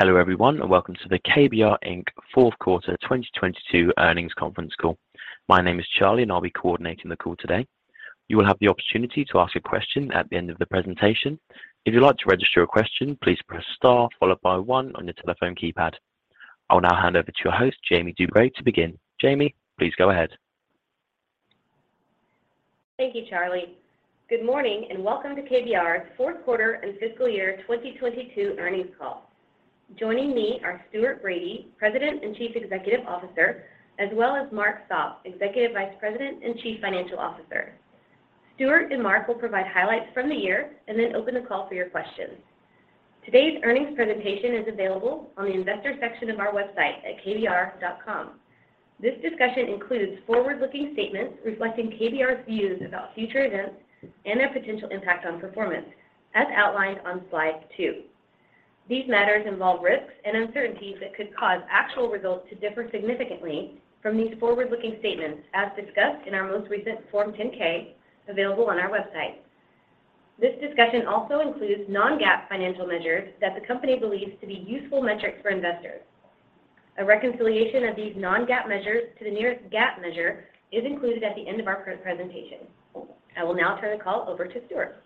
Hello everyone, welcome to the KBR Inc. fourth quarter 2022 earnings conference call. My name is Charlie, I'll be coordinating the call today. You will have the opportunity to ask a question at the end of the presentation. If you'd like to register a question, please press star followed by one on your telephone keypad. I will now hand over to your host, Jamie Du Preez, to begin. Jamie, please go ahead. Thank you, Charlie. Good morning, and welcome to KBR's fourth quarter and fiscal year 2022 earnings call. Joining me are Stuart Bradie, President and Chief Executive Officer, as well as Mark Sopp, Executive Vice President and Chief Financial Officer. Stuart and Mark will provide highlights from the year and then open the call for your questions. Today's earnings presentation is available on the investor section of our website at kbr.com. This discussion includes forward-looking statements reflecting KBR's views about future events and their potential impact on performance as outlined on slide two. These matters involve risks and uncertainties that could cause actual results to differ significantly from these forward-looking statements as discussed in our most recent Form 10-K available on our website. This discussion also includes non-GAAP financial measures that the company believes to be useful metrics for investors. A reconciliation of these non-GAAP measures to the nearest GAAP measure is included at the end of our presentation. I will now turn the call over to Stuart.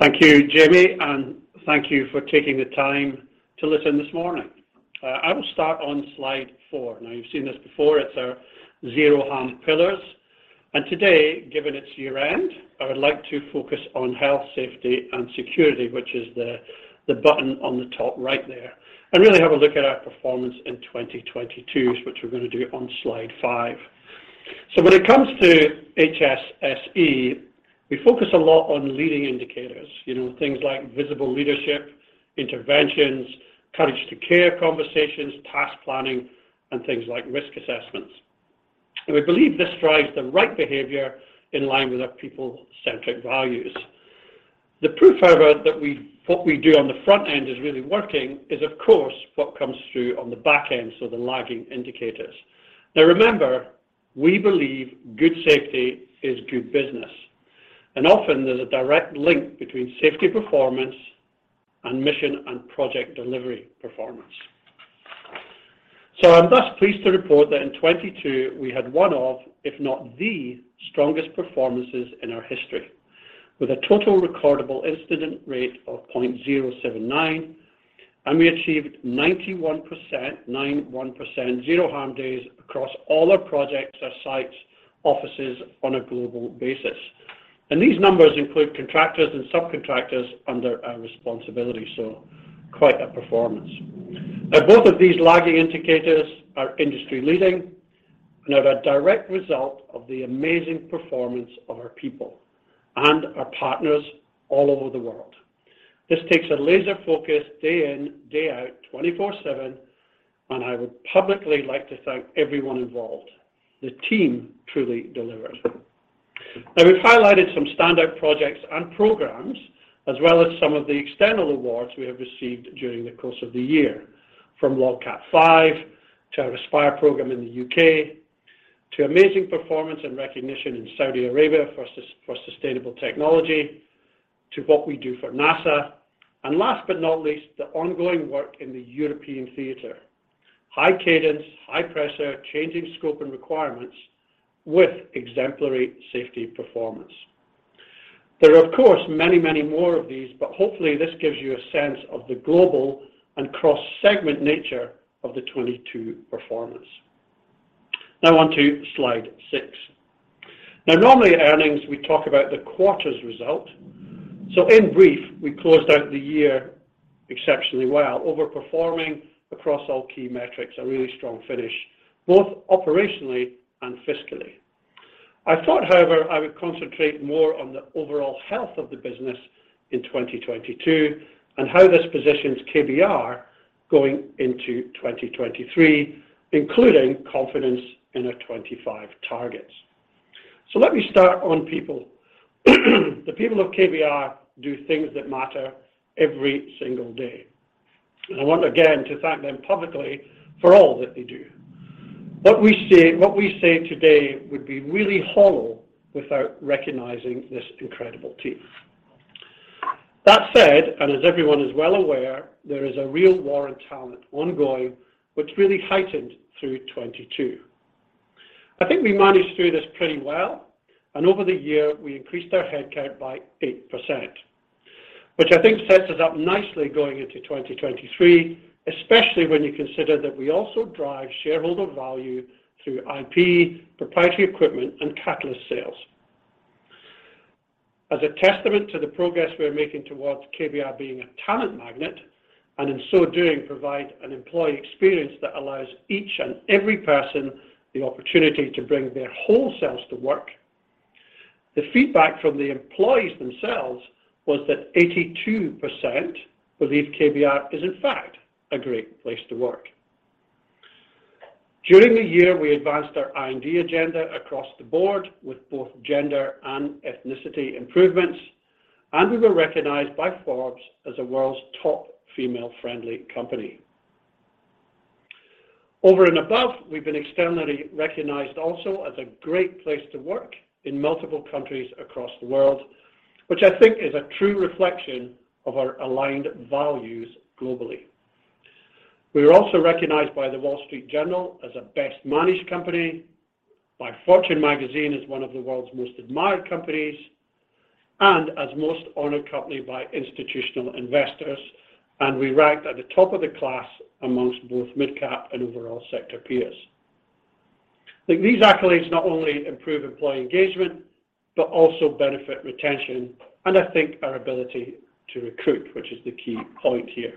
Thank you, Jamie, and thank you for taking the time to listen this morning. I will start on slide four. Now, you've seen this before. It's our Zero Harm pillars. Today, given it's year-end, I would like to focus on health, safety, and security, which is the button on the top right there, and really have a look at our performance in 2022, which we're going to do on slide five. When it comes to HSSE, we focus a lot on leading indicators, you know, things like visible leadership, interventions, courage to care conversations, task planning, and things like risk assessments. We believe this drives the right behavior in line with our people-centric values. The proof, however, that what we do on the front end is really working is, of course, what comes through on the back end, so the lagging indicators. Remember, we believe good safety is good business, and often there's a direct link between safety performance and mission and project delivery performance. I'm thus pleased to report that in 2022 we had one of, if not the strongest performances in our history with a total recordable incident rate of 0.079, and we achieved 91% Zero Harm days across all our projects, our sites, offices on a global basis. These numbers include contractors and subcontractors under our responsibility, so quite a performance. Both of these lagging indicators are industry-leading and are a direct result of the amazing performance of our people and our partners all over the world. This takes a laser focus day in, day out, 24/7, and I would publicly like to thank everyone involved. The team truly delivers. We've highlighted some standout projects and programs as well as some of the external awards we have received during the course of the year, from LOGCAP V to our Aspire program in the U.K. to amazing performance and recognition in Saudi Arabia for sustainable technology to what we do for NASA and last but not least, the ongoing work in the European theater. High cadence, high pressure, changing scope and requirements with exemplary safety performance. There are of course many more of these, hopefully this gives you a sense of the global and cross-segment nature of the 22 performance. On to slide six. Normally at earnings, we talk about the quarter's result. In brief, we closed out the year exceptionally well, over-performing across all key metrics, a really strong finish, both operationally and fiscally. I thought, however, I would concentrate more on the overall health of the business in 2022 and how this positions KBR going into 2023, including confidence in our 25 targets. Let me start on people. The people of KBR do things that matter every single day. I want again to thank them publicly for all that they do. What we say today would be really hollow without recognizing this incredible team. That said, and as everyone is well aware, there is a real war on talent ongoing which really heightened through 2022. I think we managed through this pretty well, and over the year we increased our head count by 8%, which I think sets us up nicely going into 2023, especially when you consider that we also drive shareholder value through IP, proprietary equipment, and catalyst sales. As a testament to the progress we are making towards KBR being a talent magnet and in so doing provide an employee experience that allows each and every person the opportunity to bring their whole selves to work, the feedback from the employees themselves was that 82% believe KBR is in fact a great place to work. During the year, we advanced our D&I agenda across the board with both gender and ethnicity improvements. We were recognized by Forbes as the world's top female-friendly company. Over and above, we've been externally recognized also as a great place to work in multiple countries across the world, which I think is a true reflection of our aligned values globally. We are also recognized by The Wall Street Journal as a best managed company, by Fortune magazine as one of the world's most admired companies, and as most honored company by Institutional Investor. We ranked at the top of the class amongst both mid-cap and overall sector peers. I think these accolades not only improve employee engagement, but also benefit retention and I think our ability to recruit, which is the key point here.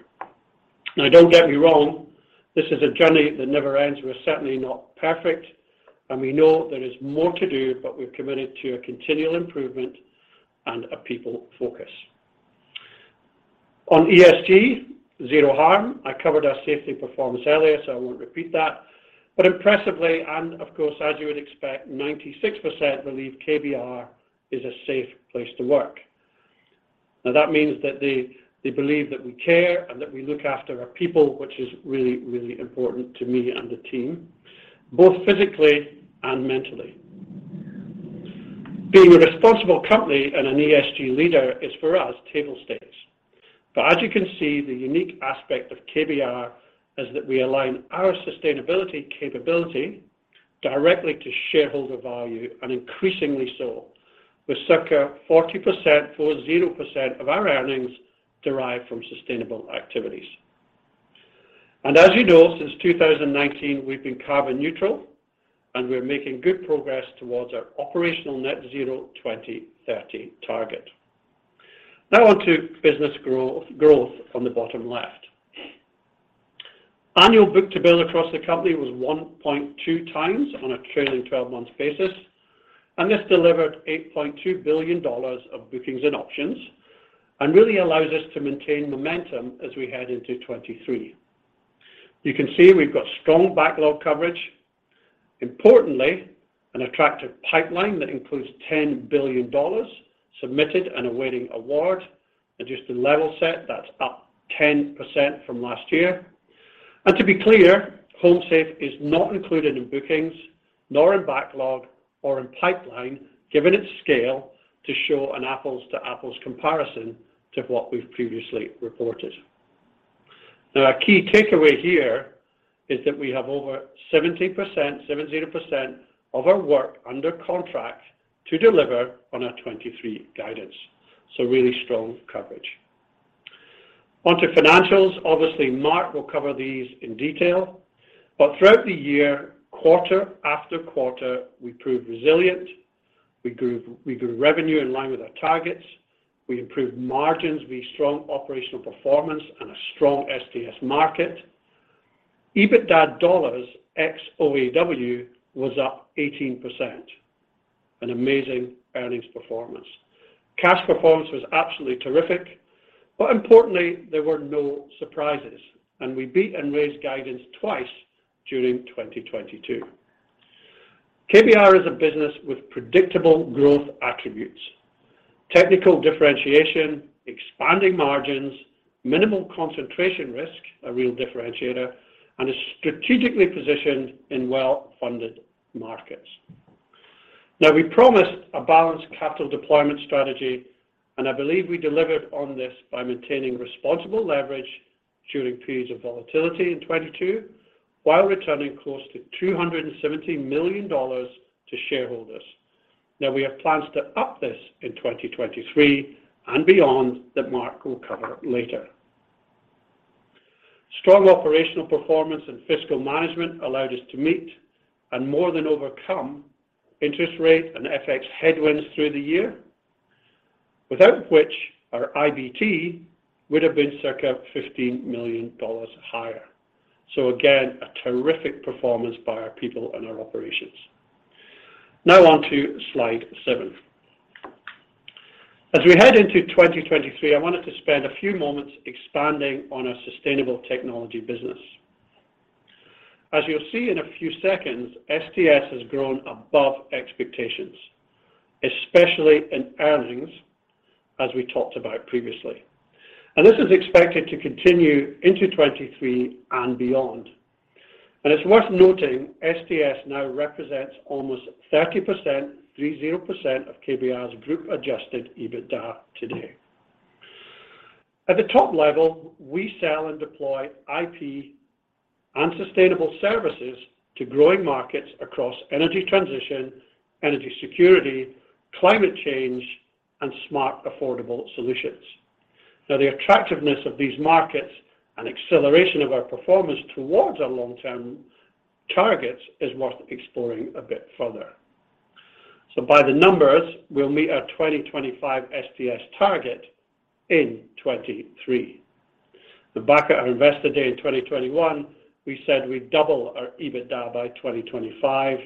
Don't get me wrong, this is a journey that never ends. We're certainly not perfect, and we know there is more to do, but we're committed to a continual improvement and a people focus. On ESG, Zero Harm. I covered our safety performance earlier, so I won't repeat that. Impressively, and of course, as you would expect, 96% believe KBR is a safe place to work. That means that they believe that we care and that we look after our people, which is really important to me and the team, both physically and mentally. Being a responsible company and an ESG leader is for us table stakes. As you can see, the unique aspect of KBR is that we align our sustainability capability directly to shareholder value and increasingly so with circa 40%, 40% of our earnings derive from sustainable activities. As you know, since 2019, we've been carbon neutral, and we're making good progress towards our operational net zero 2030 target. On to business growth on the bottom left. Annual book to bill across the company was 1.2 times on a trailing 12 months basis, this delivered $8.2 billion of bookings and options and really allows us to maintain momentum as we head into 2023. You can see we've got strong backlog coverage. Importantly, an attractive pipeline that includes $10 billion submitted and awaiting award. Adjusted level set, that's up 10% from last year. To be clear, HomeSafe is not included in bookings, nor in backlog or in pipeline, given its scale to show an apples to apples comparison to what we've previously reported. A key takeaway here is that we have over 70%, 7 0%, of our work under contract to deliver on our 2023 guidance. Really strong coverage. Onto financials. Obviously, Mark will cover these in detail. Throughout the year, quarter after quarter, we proved resilient. We grew revenue in line with our targets. We improved margins. We had strong operational performance and a strong STS market. EBITDA dollars ex-OAW was up 18%, an amazing earnings performance. Cash performance was absolutely terrific, but importantly, there were no surprises, and we beat and raised guidance twice during 2022. KBR is a business with predictable growth attributes, technical differentiation, expanding margins, minimal concentration risk, a real differentiator, and is strategically positioned in well-funded markets. We promised a balanced capital deployment strategy, and I believe we delivered on this by maintaining responsible leverage during periods of volatility in 2022, while returning close to $270 million to shareholders. We have plans to up this in 2023 and beyond that Mark will cover later. Strong operational performance and fiscal management allowed us to meet and more than overcome interest rates and FX headwinds through the year, without which our IBT would have been circa $15 million higher. Again, a terrific performance by our people and our operations. On to slide seven. As we head into 2023, I wanted to spend a few moments expanding on our Sustainable Technology business. As you'll see in a few seconds, STS has grown above expectations, especially in earnings, as we talked about previously. This is expected to continue into 23 and beyond. It's worth noting, STS now represents almost 30%, 30%, of KBR's group adjusted EBITDA today. At the top level, we sell and deploy IP and sustainable services to growing markets across energy transition, energy security, climate change, and smart, affordable solutions. The attractiveness of these markets and acceleration of our performance towards our long-term targets is worth exploring a bit further. By the numbers, we'll meet our 2025 STS target in 2023. Back at our Investor Day in 2021, we said we'd double our EBITDA by 2025,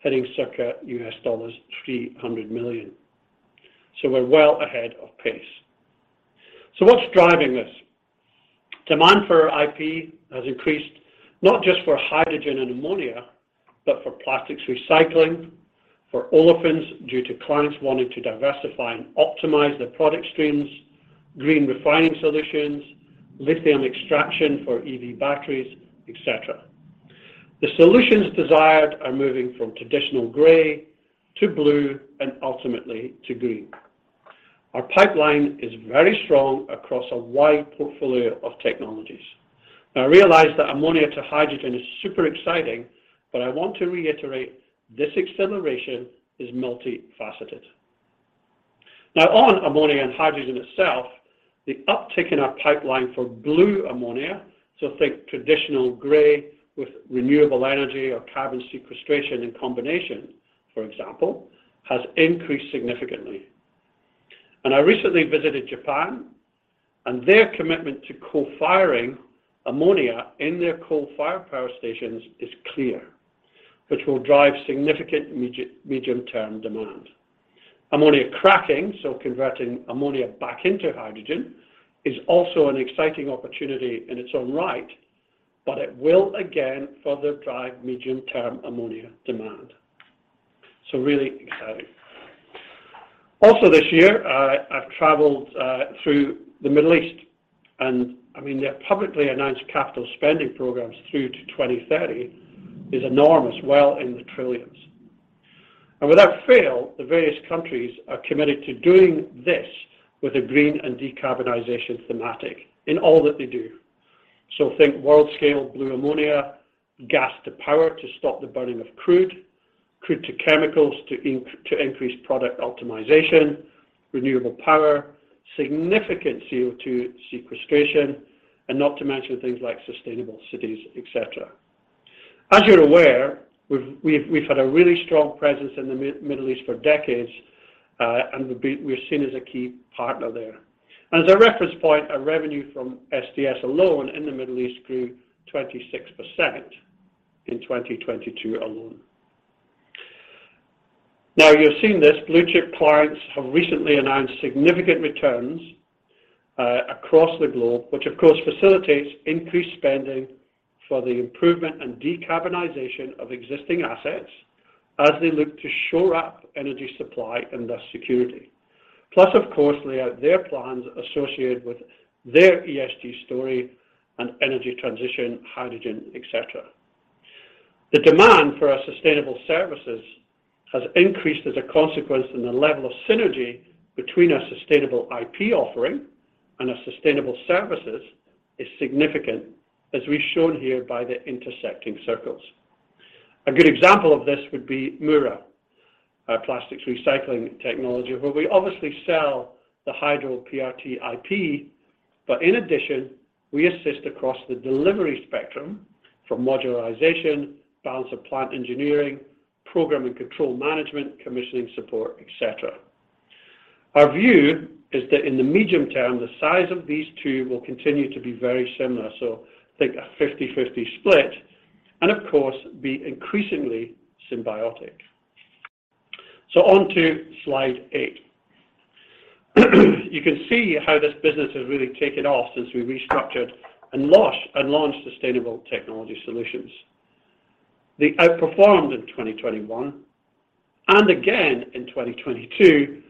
hitting circa $300 million. We're well ahead of pace. What's driving this? Demand for IP has increased, not just for hydrogen and ammonia, but for plastics recycling for olefins due to clients wanting to diversify and optimize their product streams, green refining solutions, lithium extraction for EV batteries, et cetera. The solutions desired are moving from traditional gray to blue and ultimately to green. Our pipeline is very strong across a wide portfolio of technologies. I realize that ammonia to hydrogen is super exciting, but I want to reiterate this acceleration is multifaceted. Now on ammonia and hydrogen itself, the uptick in our pipeline for blue ammonia, so think traditional gray with renewable energy or carbon sequestration in combination, for example, has increased significantly. I recently visited Japan and their commitment to co-firing ammonia in their coal-fired power stations is clear, which will drive significant medium-term demand. Ammonia cracking, so converting ammonia back into hydrogen, is also an exciting opportunity in its own right, but it will again further drive medium-term ammonia demand. Really exciting. Also this year, I've traveled through the Middle East, I mean, their publicly announced capital spending programs through to 2030 is enormous, well in the trillions. Without fail, the various countries are committed to doing this with a green and decarbonization thematic in all that they do. Think world-scale blue ammonia, gas to power to stop the burning of crude to chemicals to increase product optimization, renewable power, significant CO2 sequestration, and not to mention things like sustainable cities, et cetera. As you're aware, we've had a really strong presence in the Middle East for decades, and we're seen as a key partner there. And as a reference point, our revenue from STS alone in the Middle East grew 26% in 2022 alone. You've seen this, blue-chip clients have recently announced significant returns across the globe, which of course facilitates increased spending for the improvement and decarbonization of existing assets as they look to shore up energy supply and thus security. Plus, of course, lay out their plans associated with their ESG story and energy transition, hydrogen, et cetera. The demand for our sustainable services has increased as a consequence, and the level of synergy between our sustainable IP offering and our sustainable services is significant, as we've shown here by the intersecting circles. A good example of this would be Mura, our plastics recycling technology, where we obviously sell the Hydro-PRT IP. In addition, we assist across the delivery spectrum from modularization, balance of plant engineering, program and control management, commissioning support, et cetera. Our view is that in the medium term, the size of these two will continue to be very similar. Think a 50/50 split, and of course, be increasingly symbiotic. On to slide 8. You can see how this business has really taken off since we restructured and launched Sustainable Technology Solutions. They outperformed in 2021 and again in 2022.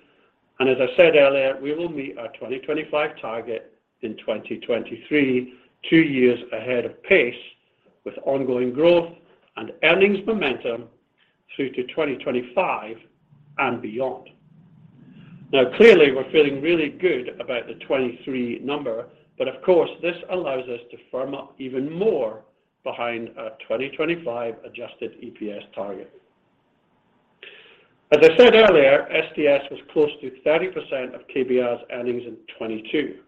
As I said earlier, we will meet our 2025 target in 2023, two years ahead of pace with ongoing growth and earnings momentum through to 2025 and beyond. Clearly, we're feeling really good about the 23 number, but of course, this allows us to firm up even more behind our 2025 adjusted EPS target. As I said earlier, SDS was close to 30% of KBR's earnings in 22.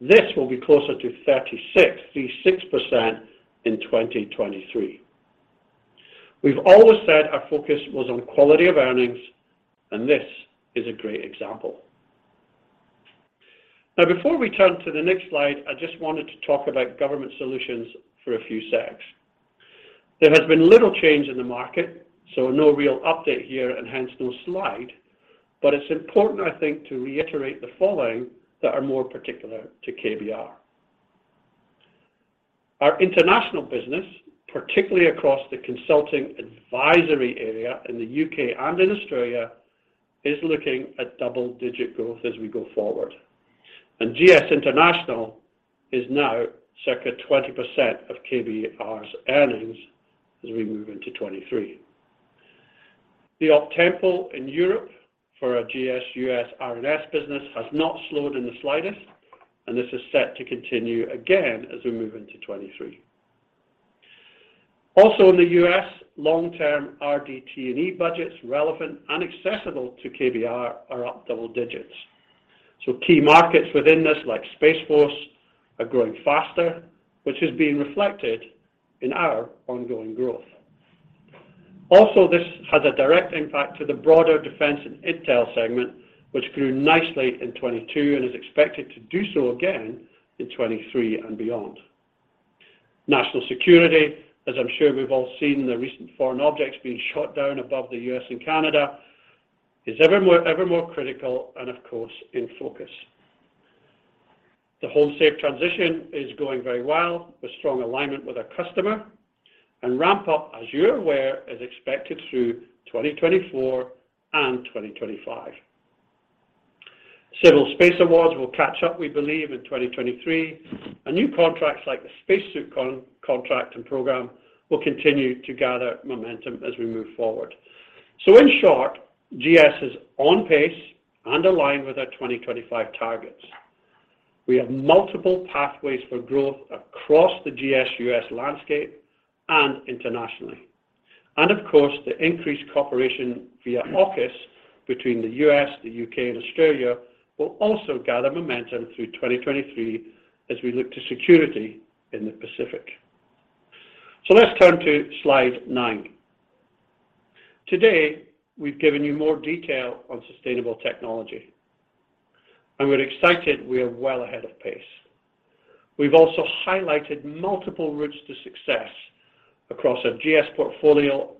This will be closer to 36% in 2023. We've always said our focus was on quality of earnings, and this is a great example. Before we turn to the next slide, I just wanted to talk about Government Solutions for a few secs. There has been little change in the market, so no real update here and hence no slide. It's important, I think, to reiterate the following that are more particular to KBR. Our international business, particularly across the consulting advisory area in the U.K. and in Australia, is looking at double-digit growth as we go forward. GS International is now circa 20% of KBR's earnings as we move into 2023. The up tempo in Europe for our GS-U.S. RNS business has not slowed in the slightest, and this is set to continue again as we move into 2023. In the U.S., long-term RDT&E budgets relevant and accessible to KBR are up double digits. Key markets within this, like Space Force, are growing faster, which is being reflected in our ongoing growth. This has a direct impact to the broader defense and intel segment, which grew nicely in 2022 and is expected to do so again in 2023 and beyond. National security, as I'm sure we've all seen the recent foreign objects being shot down above the U.S. and Canada, is ever more critical and of course, in focus. The HomeSafe transition is going very well with strong alignment with our customer. Ramp up, as you're aware, is expected through 2024 and 2025. Civil space awards will catch up, we believe, in 2023. New contracts like the spacesuit contract and program will continue to gather momentum as we move forward. In short, GS is on pace and aligned with our 2025 targets. We have multiple pathways for growth across the GS-U.S. landscape and internationally. Of course, the increased cooperation via AUKUS between the U.S., the U.K. and Australia will also gather momentum through 2023 as we look to security in the Pacific. Let's turn to slide nine. Today, we've given you more detail on sustainable technology. We're excited we are well ahead of pace. We've also highlighted multiple routes to success across our GS portfolio.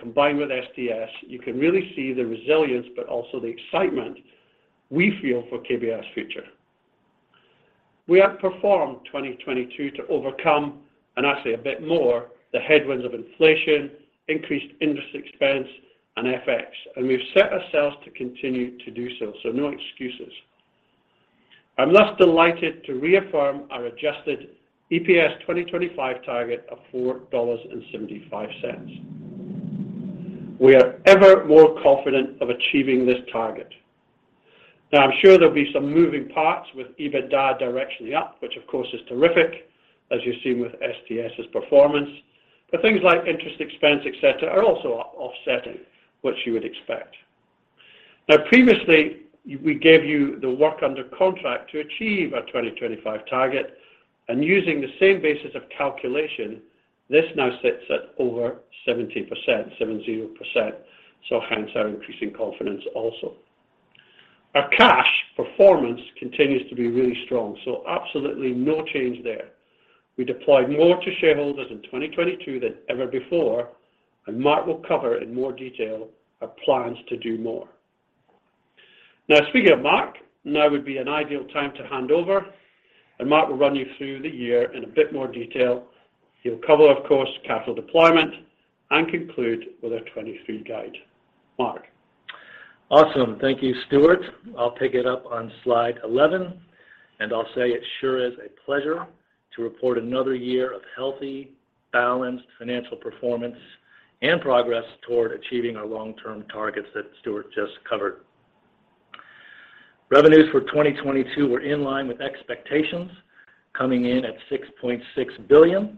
Combined with STS, you can really see the resilience, but also the excitement we feel for KBR's future. We outperformed 2022 to overcome, actually a bit more, the headwinds of inflation, increased interest expense and FX. We've set ourselves to continue to do so. No excuses. I'm thus delighted to reaffirm our adjusted EPS 2025 target of $4.75. We are ever more confident of achieving this target. I'm sure there'll be some moving parts with EBITDA directionally up, which of course is terrific, as you've seen with STS's performance. Things like interest expense, et cetera, are also offsetting what you would expect. Previously, we gave you the work under contract to achieve our 2025 target. Using the same basis of calculation, this now sits at over 70%, 70%. Hence our increasing confidence also. Our cash performance continues to be really strong, so absolutely no change there. We deployed more to shareholders in 2022 than ever before, and Mark will cover in more detail our plans to do more. Speaking of Mark, now would be an ideal time to hand over, and Mark will run you through the year in a bit more detail. He'll cover, of course, capital deployment and conclude with our 23 guide. Mark. Awesome. Thank you, Stuart. I'll pick it up on slide 11, and I'll say it sure is a pleasure to report another year of healthy, balanced financial performance and progress toward achieving our long-term targets that Stuart just covered. Revenues for 2022 were in line with expectations, coming in at 6.6 billion,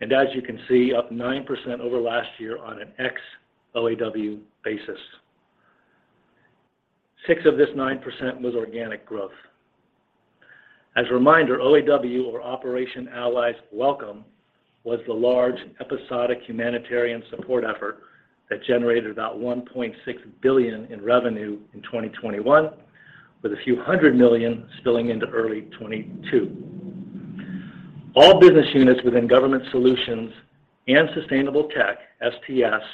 and as you can see, up 9% over last year on an ex-OAW basis. 6% of this 9% was organic growth. As a reminder, OAW or Operation Allies Welcome, was the large episodic humanitarian support effort that generated about 1.6 billion in revenue in 2021, with a few hundred million spilling into early 2022. All business units within Government Solutions and Sustainable Tech, STS,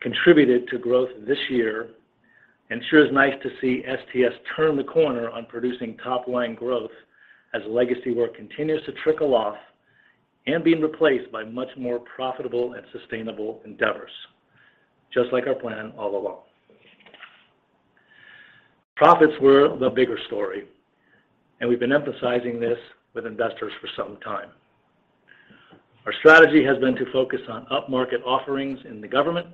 contributed to growth this year. Sure is nice to see STS turn the corner on producing top-line growth as legacy work continues to trickle off and being replaced by much more profitable and sustainable endeavors, just like our plan all along. Profits were the bigger story, and we've been emphasizing this with investors for some time. Our strategy has been to focus on upmarket offerings in the government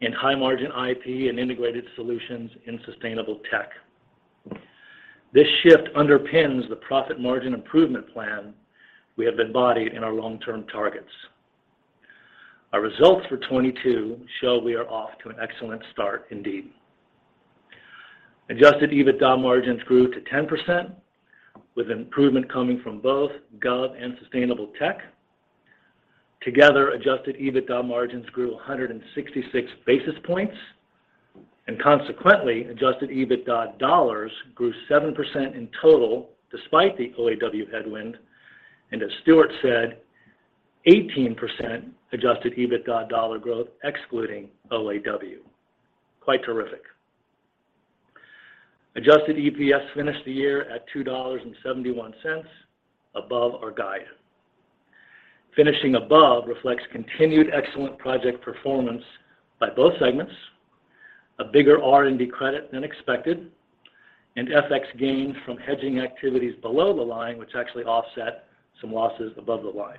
in high-margin IP and integrated solutions in Sustainable Tech. This shift underpins the profit margin improvement plan we have embodied in our long-term targets. Our results for 2022 show we are off to an excellent start indeed. Adjusted EBITDA margins grew to 10%, with improvement coming from both Gov and Sustainable Tech. Together, adjusted EBITDA margins grew 166 basis points, and consequently, adjusted EBITDA dollars grew 7% in total despite the OAW headwind. As Stuart said, 18% adjusted EBITDA dollar growth excluding OAW. Quite terrific. Adjusted EPS finished the year at $2.71 above our guide. Finishing above reflects continued excellent project performance by both segments, a bigger R&D credit than expected, and FX gains from hedging activities below the line, which actually offset some losses above the line.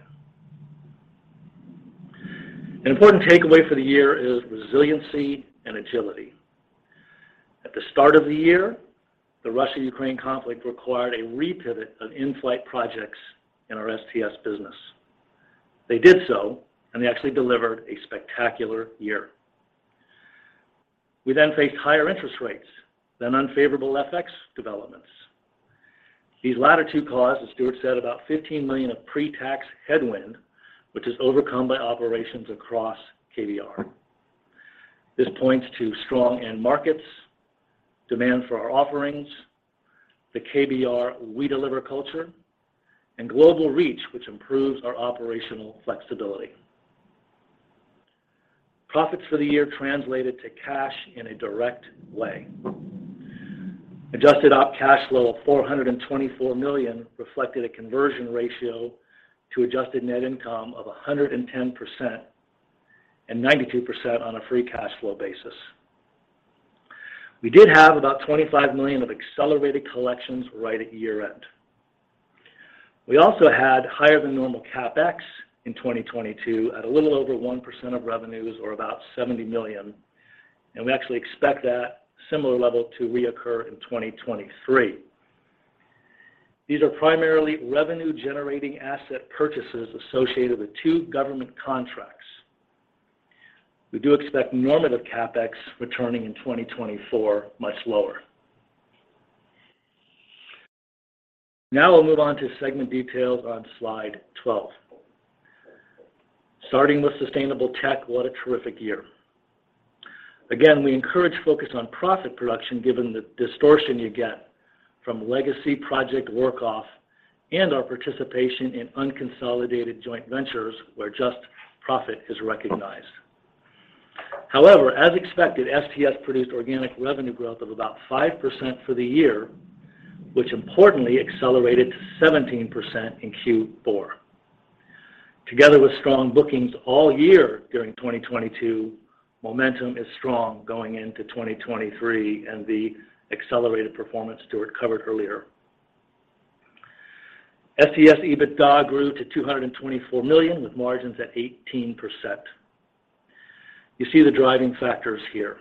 Important takeaway for the year is resiliency and agility. At the start of the year, the Russia-Ukraine conflict required a repivot of in-flight projects in our STS business. They did so, and they actually delivered a spectacular year. We faced higher interest rates than unfavorable FX developments. These latter two caused, as Stuart said, about 15 million of pre-tax headwind, which is overcome by operations across KBR. This points to strong end markets, demand for our offerings, the KBR We Deliver culture, and global reach, which improves our operational flexibility. Profits for the year translated to cash in a direct way. Adjusted Op Cash Flow of 424 million reflected a conversion ratio to adjusted net income of 110% and 92% on a free cash flow basis. We did have about $25 million of accelerated collections right at year-end. We also had higher than normal CapEx in 2022 at a little over 1% of revenues, or about 70 million, and we actually expect that similar level to reoccur in 2023. These are primarily revenue-generating asset purchases associated with two government contracts. We do expect normative CapEx returning in 2024 much lower. Now we'll move on to segment details on slide 12. Starting with Sustainable Tech, what a terrific year. Again, we encourage focus on profit production given the distortion you get from legacy project work off and our participation in unconsolidated joint ventures where just profit is recognized. However, as expected, STS produced organic revenue growth of about 5% for the year, which importantly accelerated to 17% in Q4. Together with strong bookings all year during 2022, momentum is strong going into 2023 and the accelerated performance Stuart covered earlier. STS EBITDA grew to 224 million, with margins at 18%. You see the driving factors here.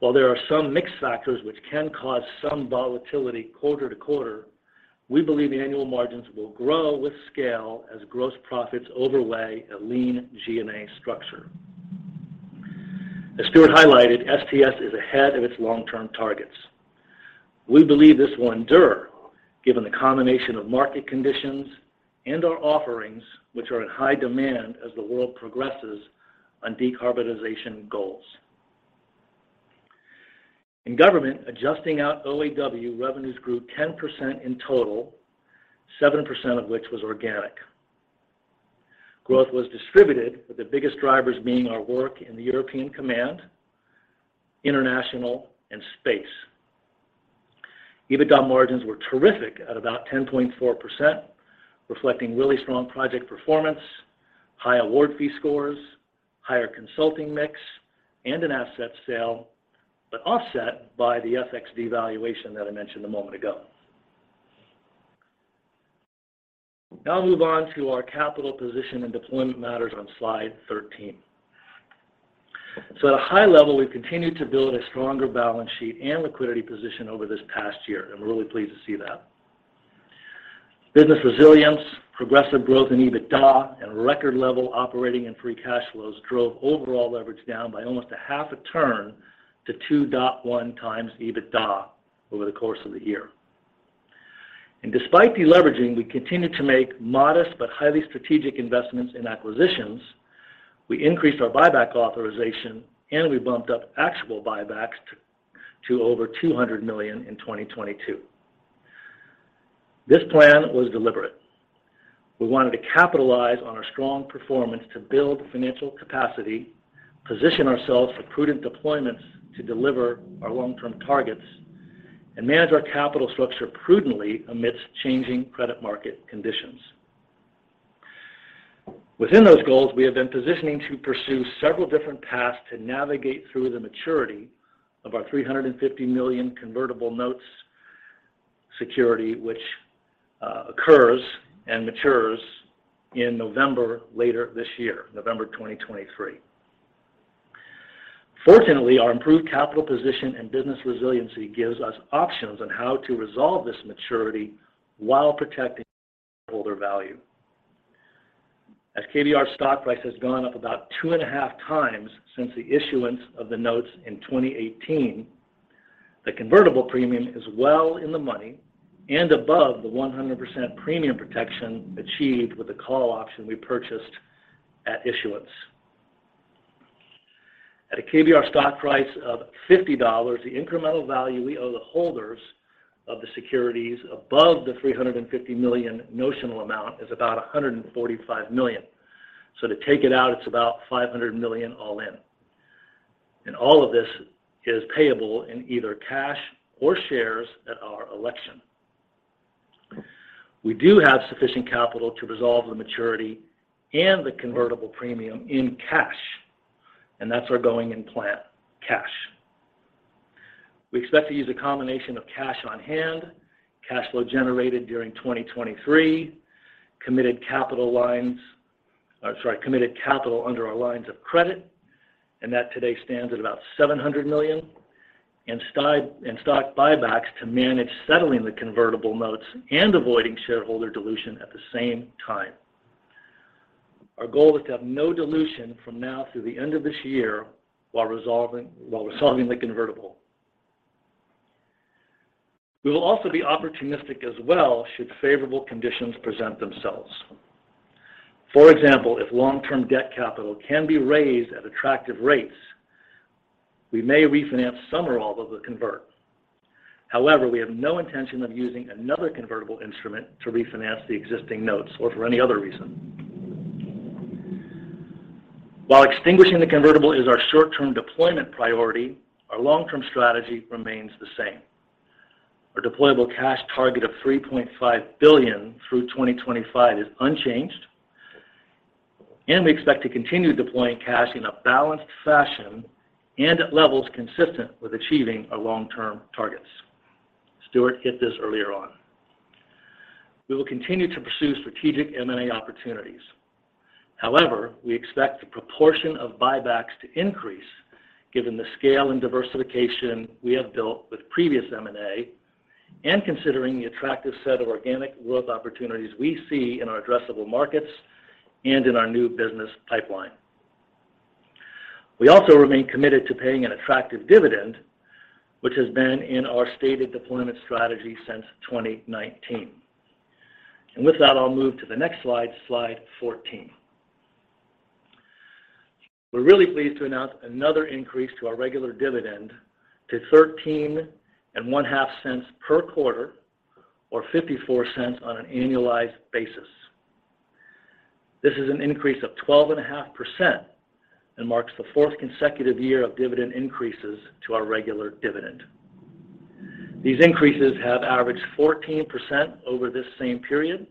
While there are some mixed factors which can cause some volatility quarter to quarter, we believe annual margins will grow with scale as gross profits overlay a lean G&A structure. As Stuart highlighted, STS is ahead of its long-term targets. We believe this will endure given the combination of market conditions and our offerings, which are in high demand as the world progresses on decarbonization goals. In government, adjusting out OAW, revenues grew 10% in total, 7% of which was organic. Growth was distributed, with the biggest drivers being our work in the European Command, international, and space. EBITDA margins were terrific at about 10.4%, reflecting really strong project performance, high award fee scores, higher consulting mix, and an asset sale, but offset by the FX devaluation that I mentioned a moment ago. I'll move on to our capital position and deployment matters on slide 13. At a high level, we've continued to build a stronger balance sheet and liquidity position over this past year, and we're really pleased to see that. Business resilience, progressive growth in EBITDA, and record-level operating and free cash flows drove overall leverage down by almost a half a turn to 2.1x EBITDA over the course of the year. Despite deleveraging, we continued to make modest but highly strategic investments in acquisitions. We increased our buyback authorization, and we bumped up actual buybacks to over 200 million in 2022. This plan was deliberate. We wanted to capitalize on our strong performance to build financial capacity, position ourselves for prudent deployments to deliver our long-term targets, and manage our capital structure prudently amidst changing credit market conditions. Within those goals, we have been positioning to pursue several different paths to navigate through the maturity of our 350 million convertible notes security, which occurs and matures in November later this year, November 2023. Fortunately, our improved capital position and business resiliency gives us options on how to resolve this maturity while protecting shareholder value. As KBR's stock price has gone up about two and a half times since the issuance of the notes in 2018, the convertible premium is well in the money and above the 100% premium protection achieved with the call option we purchased at issuance. At a KBR stock price of $50, the incremental value we owe the holders of the securities above the 350 million notional amount is about $145 million. To take it out, it's about $500 million all in. All of this is payable in either cash or shares at our election. We do have sufficient capital to resolve the maturity and the convertible premium in cash, and that's our going-in plan, cash. We expect to use a combination of cash on hand, cash flow generated during 2023, committed capital under our lines of credit, and that today stands at about 700 million, and stock buybacks to manage settling the convertible notes and avoiding shareholder dilution at the same time. Our goal is to have no dilution from now through the end of this year while resolving the convertible. We will also be opportunistic as well should favorable conditions present themselves. For example, if long-term debt capital can be raised at attractive rates. We may refinance some or all of the convert. However, we have no intention of using another convertible instrument to refinance the existing notes or for any other reason. While extinguishing the convertible is our short-term deployment priority, our long-term strategy remains the same. Our deployable cash target of 3.5 billion through 2025 is unchanged, and we expect to continue deploying cash in a balanced fashion and at levels consistent with achieving our long-term targets. Stuart hit this earlier on. We will continue to pursue strategic M and A opportunities. However, we expect the proportion of buybacks to increase given the scale and diversification we have built with previous M and A and considering the attractive set of organic growth opportunities we see in our addressable markets and in our new business pipeline. We also remain committed to paying an attractive dividend, which has been in our stated deployment strategy since 2019. With that, I'll move to the next slide 14. We're really pleased to announce another increase to our regular dividend to thirteen and one half cents per quarter or 0.54 on an annualized basis. This is an increase of 12.5% and marks the fourth consecutive year of dividend increases to our regular dividend. These increases have averaged 14% over this same period,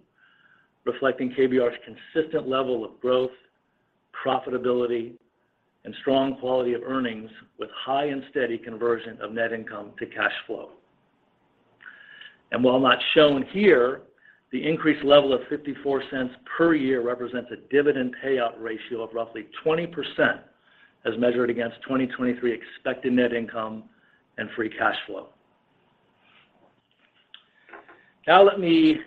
reflecting KBR's consistent level of growth, profitability, and strong quality of earnings with high and steady conversion of net income to cash flow. While not shown here, the increased level of 0.54 per year represents a dividend payout ratio of roughly 20% as measured against 2023 expected net income and free cash flow. Let me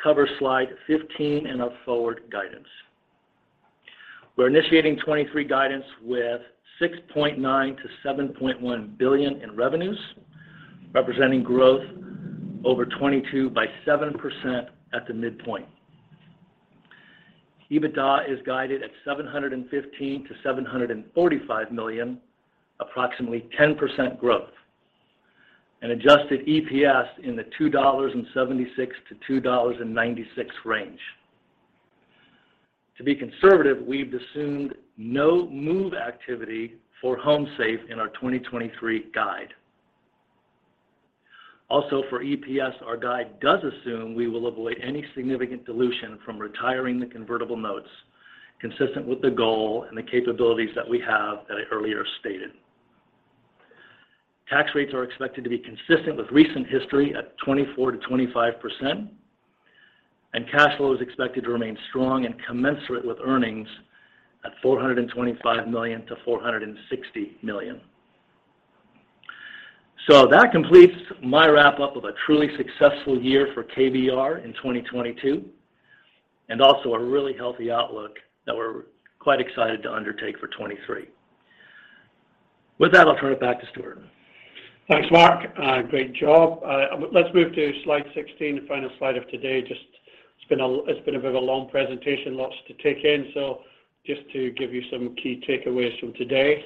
cover slide 15 and our forward guidance. We're initiating 2023 guidance with 6.9 billion-7.1 billion in revenues, representing growth over 2022 by 7% at the midpoint. EBITDA is guided at 715 million-745 million, approximately 10% growth, and adjusted EPS in the $2.76-$2.96 range. To be conservative, we've assumed no move activity for HomeSafe in our 2023 guide. For EPS, our guide does assume we will avoid any significant dilution from retiring the convertible notes consistent with the goal and the capabilities that we have that I earlier stated. Tax rates are expected to be consistent with recent history at 24%-25%, and cash flow is expected to remain strong and commensurate with earnings at 425 million-460 million. That completes my wrap-up of a truly successful year for KBR in 2022, and also a really healthy outlook that we're quite excited to undertake for 2023. With that, I'll turn it back to Stuart. Thanks, Mark. great job. let's move to slide 16, the final slide of today. It's been a bit of a long presentation, lots to take in. Just to give you some key takeaways from today.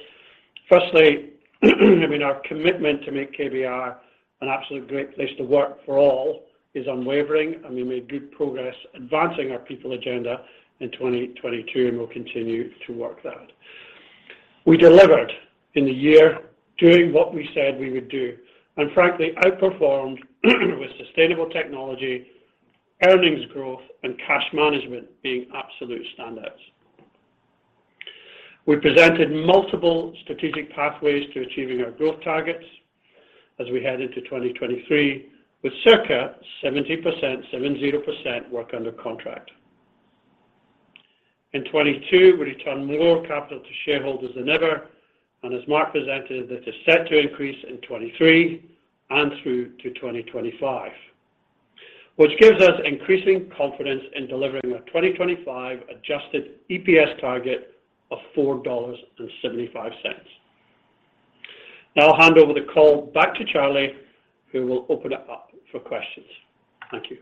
Firstly, I mean, our commitment to make KBR an absolute great place to work for all is unwavering, and we made good progress advancing our people agenda in 2022, and we'll continue to work that. We delivered in the year doing what we said we would do, and frankly, outperformed with Sustainable Technology earnings growth, and cash management being absolute standouts. We presented multiple strategic pathways to achieving our growth targets as we head into 2023, with circa 70%, 70%, work under contract. In 2022, we returned more capital to shareholders than ever. As Mark presented, that is set to increase in 2023 and through to 2025, which gives us increasing confidence in delivering a 2025 adjusted EPS target of $4.75. Now I'll hand over the call back to Charlie, who will open it up for questions. Thank you.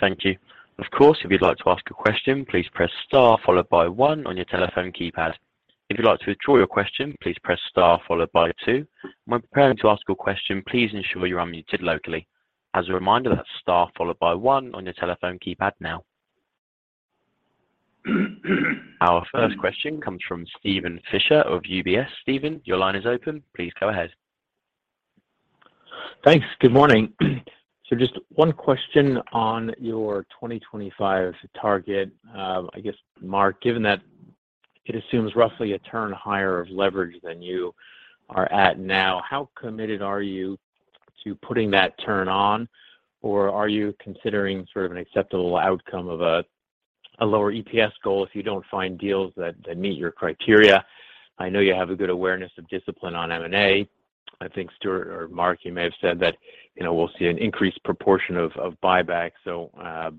Thank you. Of course, if you'd like to ask a question, please press star followed by one on your telephone keypad. If you'd like to withdraw your question, please press star followed by two. When preparing to ask your question, please ensure you're unmuted locally. As a reminder, that's star followed by 1 on your telephone keypad now. Our first question comes from Steven Fisher of UBS. Steven, your line is open. Please go ahead. Thanks. Good morning. Just one question on your 2025 target. I guess, Mark, given that it assumes roughly a turn higher of leverage than you are at now, how committed are you to putting that turn on, or are you considering sort of an acceptable outcome of a lower EPS goal if you don't find deals that meet your criteria? I know you have a good awareness of discipline on M and A. I think Stuart or Mark, you may have said that, you know, we'll see an increased proportion of buyback. How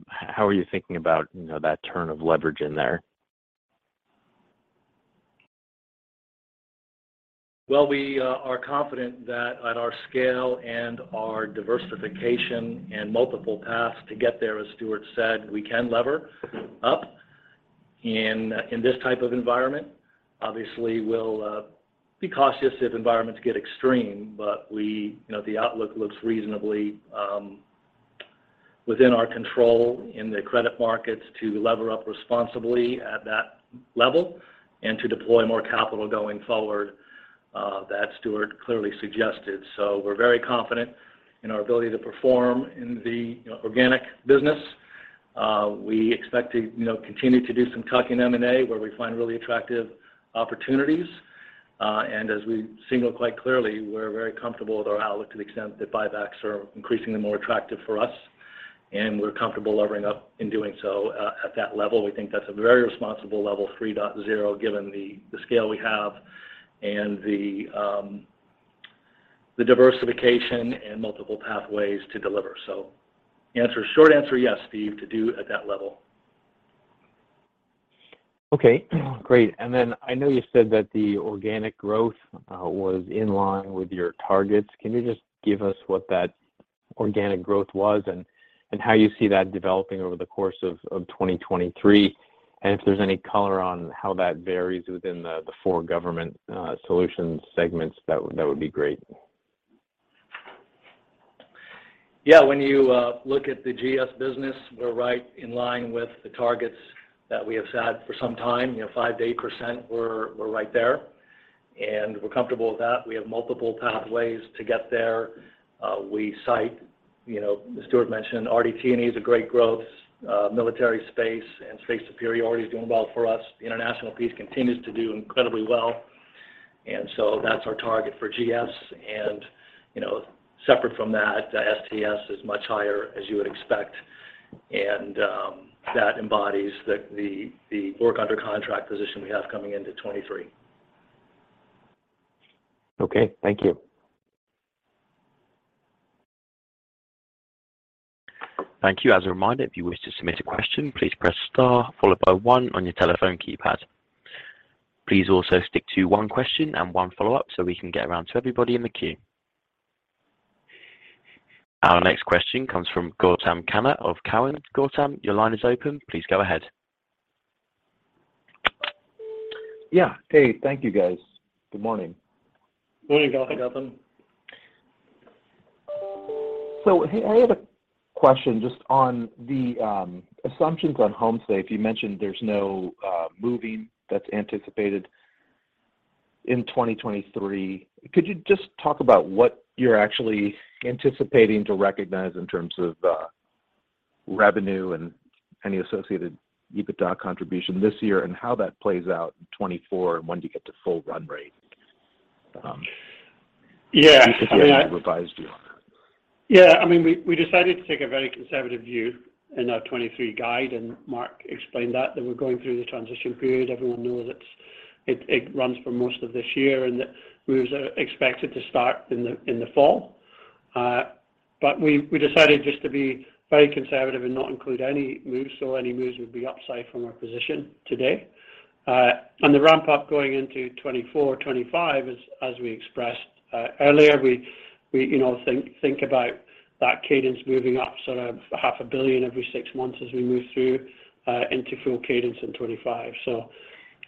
are you thinking about, you know, that turn of leverage in there? Well, we are confident that at our scale and our diversification and multiple paths to get there, as Stuart said, we can lever up in this type of environment. Obviously, we'll be cautious if environments get extreme, but you know, the outlook looks reasonably within our control in the credit markets to lever up responsibly at that level and to deploy more capital going forward that Stuart clearly suggested. We're very confident in our ability to perform in the, you know, organic business. We expect to, you know, continue to do some tuck-in M and A, where we find really attractive opportunities. As we signaled quite clearly, we're very comfortable with our outlook to the extent that buybacks are increasingly more attractive for us, and we're comfortable levering up in doing so at that level. We think that's a very responsible level, 3.0, given the scale we have and the diversification and multiple pathways to deliver. Answer, short answer, yes, Steve, to do at that level. Okay. Great. I know you said that the organic growth was in line with your targets. Can you just give us what that organic growth was and how you see that developing over the course of 2023? If there's any color on how that varies within the four Government Solutions segments, that would be great. Yeah. When you look at the GS business, we're right in line with the targets that we have set for some time. You know, 5%-8%, we're right there, and we're comfortable with that. We have multiple pathways to get there. We cite, you know, as Stuart mentioned, RDT&E is a great growth. Military space and space superiority is doing well for us. The international piece continues to do incredibly well. That's our target for GS. You know, separate from that, STS is much higher, as you would expect, and that embodies the work under contract position we have coming into 2023. Okay. Thank you. Thank you. As a reminder, if you wish to submit a question, please press star followed by one on your telephone keypad. Please also stick to one question and one follow-up so we can get around to everybody in the queue. Our next question comes from Gautam Khanna of Cowen. Gautam, your line is open. Please go ahead. Yeah. Hey, thank you guys. Good morning. Morning, Gautam. Hey, Gautam. Hey, I had a question just on the assumptions on HomeSafe. You mentioned there's no moving that's anticipated in 2023. Could you just talk about what you're actually anticipating to recognize in terms of revenue and any associated EBITDA contribution this year and how that plays out in 2024 and when do you get to full run rate? Yeah. I. If you could give me a revised view on that. I mean, we decided to take a very conservative view in our 23 guide, Mark explained that we're going through the transition period. Everyone knows it runs for most of this year and that moves are expected to start in the fall. we decided just to be very conservative and not include any moves. Any moves would be upside from our position today. the ramp-up going into 24, 25 as we expressed earlier, we, you know, think about that cadence moving up sort of half a billion every 6 months as we move through into full cadence in 25.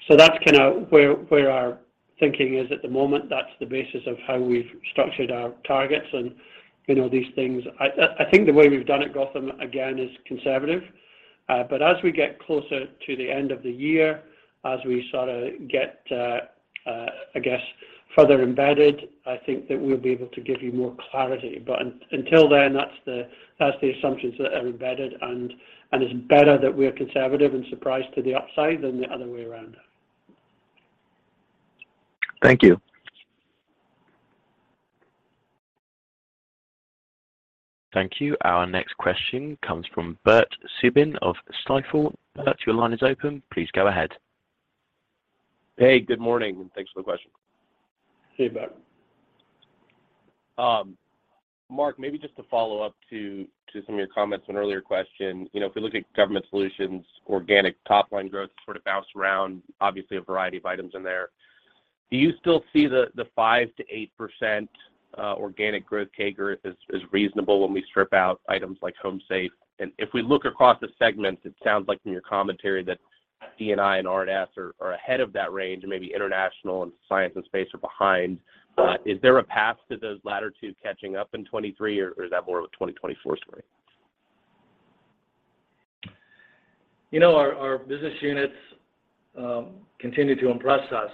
That's kinda where our thinking is at the moment. That's the basis of how we've structured our targets and, you know, these things. I think the way we've done it, Gautam, again, is conservative. As we get closer to the end of the year, as we sorta get, I guess, further embedded, I think that we'll be able to give you more clarity. Until then, that's the assumptions that are embedded. It's better that we're conservative and surprised to the upside than the other way around. Thank you. Thank you. Our next question comes from Bert Subin of Stifel. Bert, your line is open. Please go ahead. Hey, good morning, and thanks for the question. Hey, Bert. Mark, maybe just to follow up to some of your comments on an earlier question. You know, if we look at Government Solutions, organic top-line growth sort of bounced around, obviously a variety of items in there. Do you still see the 5%-8% organic growth CAGR as reasonable when we strip out items like HomeSafe? If we look across the segments, it sounds like from your commentary that D&I and R&S are ahead of that range, and maybe international and Science and Space are behind. Is there a path to those latter two catching up in 2023, or is that more of a 2024 story? You know, our business units continue to impress us.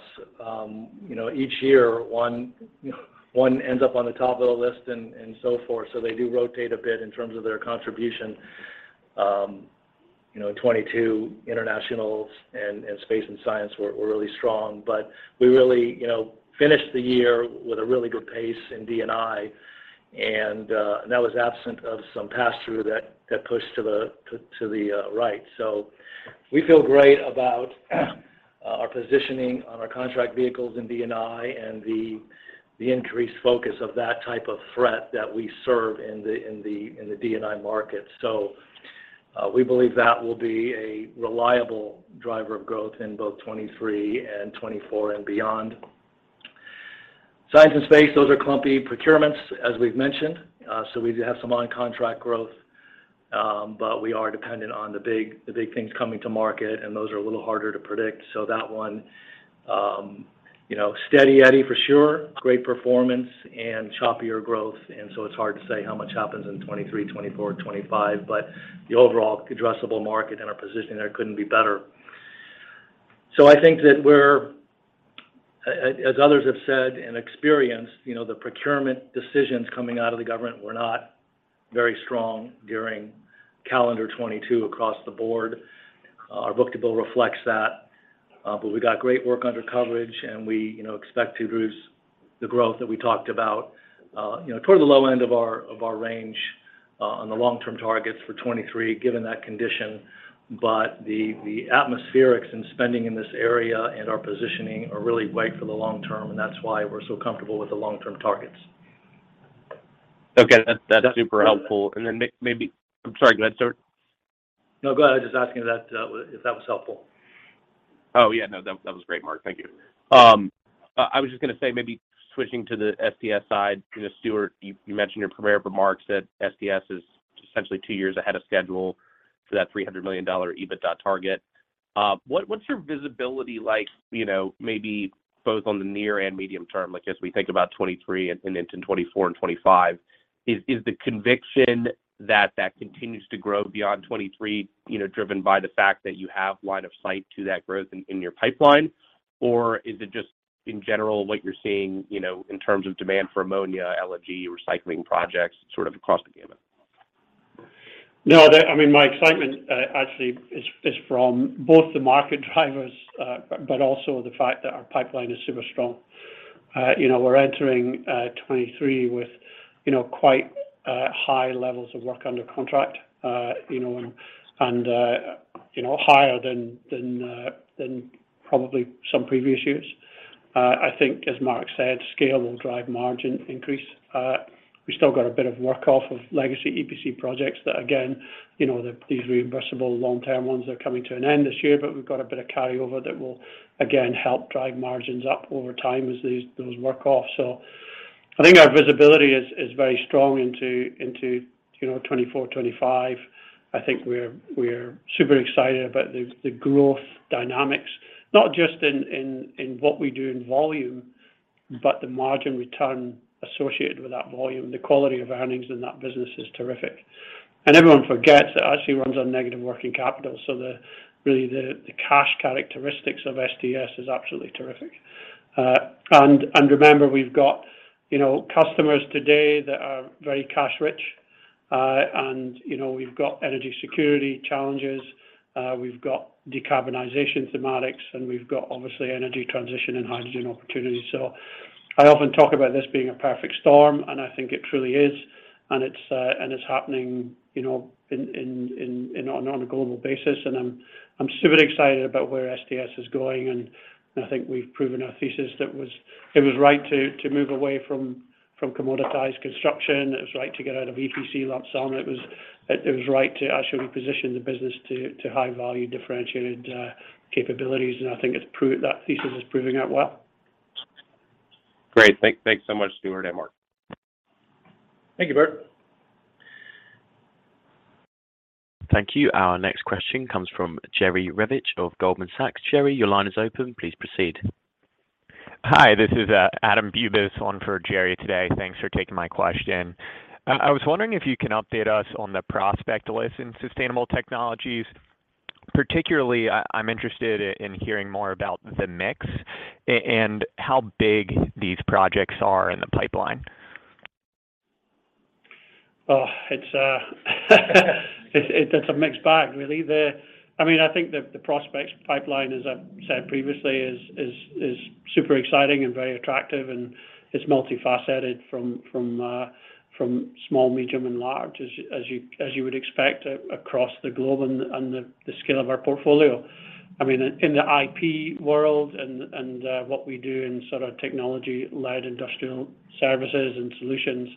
You know, each year one, you know, one ends up on the top of the list and so forth, so they do rotate a bit in terms of their contribution. You know, in 2022, internationals and space and science were really strong. We really, you know, finished the year with a really good pace in D&I, and that was absent of some pass-through that pushed to the right. We feel great about our positioning on our contract vehicles in D&I and the increased focus of that type of threat that we serve in the D&I market. You know, we believe that will be a reliable driver of growth in both 2023 and 2024 and beyond. Science and space, those are clumpy procurements, as we've mentioned. We do have some on-contract growth, but we are dependent on the big things coming to market, and those are a little harder to predict. That one, you know, steady Eddie for sure, great performance and choppier growth. It's hard to say how much happens in 2023, 2024, 2025. The overall addressable market and our position there couldn't be better. I think that we're as others have said and experienced, you know, the procurement decisions coming out of the government were not very strong during calendar 2022 across the board. Our book-to-bill reflects that. We got great work under coverage, and we, you know, expect to produce the growth that we talked about, you know, toward the low end of our range on the long-term targets for 2023, given that condition. The atmospherics and spending in this area and our positioning are really great for the long term, and that's why we're so comfortable with the long-term targets. Okay. That's super helpful. Then maybe... I'm sorry, go ahead, Stuart. Go ahead. I was just asking if that was helpful. Oh, yeah. No, that was great, Mark. Thank you. I was just going to say, maybe switching to the STS side, you know, Stuart, you mentioned in your prepared remarks that STS is essentially two years ahead of schedule for that $300 million EBITDA target. what's your visibility like, you know, maybe both on the near and medium term, like as we think about 2023 and into 2024 and 2025? Is, is the conviction that continues to grow beyond 2023, you know, driven by the fact that you have line of sight to that growth in your pipeline? Or is it just in general what you're seeing, you know, in terms of demand for ammonia, LNG, recycling projects, sort of across the gamut? No, I mean, my excitement actually is from both the market drivers, but also the fact that our pipeline is super strong. You know, we're entering 2023 with, you know, quite high levels of work under contract, you know, and, you know, higher than probably some previous years. I think as Mark said, scale will drive margin increase. We still got a bit of work off of legacy EPC projects that again, you know, these reimbursable long-term ones are coming to an end this year, but we've got a bit of carryover that will again help drive margins up over time as these, those work off. I think our visibility is very strong into, you know, 2024, 2025. I think we're super excited about the growth dynamics, not just in what we do in volume, but the margin return associated with that volume. The quality of earnings in that business is terrific. Everyone forgets it actually runs on negative working capital, so the really the cash characteristics of STS is absolutely terrific. Remember we've got, you know, customers today that are very cash rich, and you know, we've got energy security challenges, we've got decarbonization thematics, and we've got obviously energy transition and hydrogen opportunities. I often talk about this being a perfect storm, and I think it truly is, and it's happening, you know, in, on a global basis. I'm super excited about where STS is going. I think we've proven our thesis that was... It was right to move away from commoditized construction. It was right to get out of EPC lump sum. It was right to actually reposition the business to high value differentiated capabilities. I think that thesis is proving out well. Great. Thanks so much, Stuart and Mark. Thank you, Bert. Thank you. Our next question comes from Jerry Revich of Goldman Sachs. Jerry, your line is open. Please proceed. Hi, this is Adam Bubes on for Jerry Revich today. Thanks for taking my question. I was wondering if you can update us on the prospect list in Sustainable Technology Solutions. Particularly, I'm interested in hearing more about the mix and how big these projects are in the pipeline. It's a mixed bag really. I mean, I think the prospects pipeline, as I've said previously, is super exciting and very attractive, and it's multifaceted from small, medium, and large, as you would expect across the globe and the scale of our portfolio. I mean, in the IP world and what we do in sort of technology-led industrial services and solutions,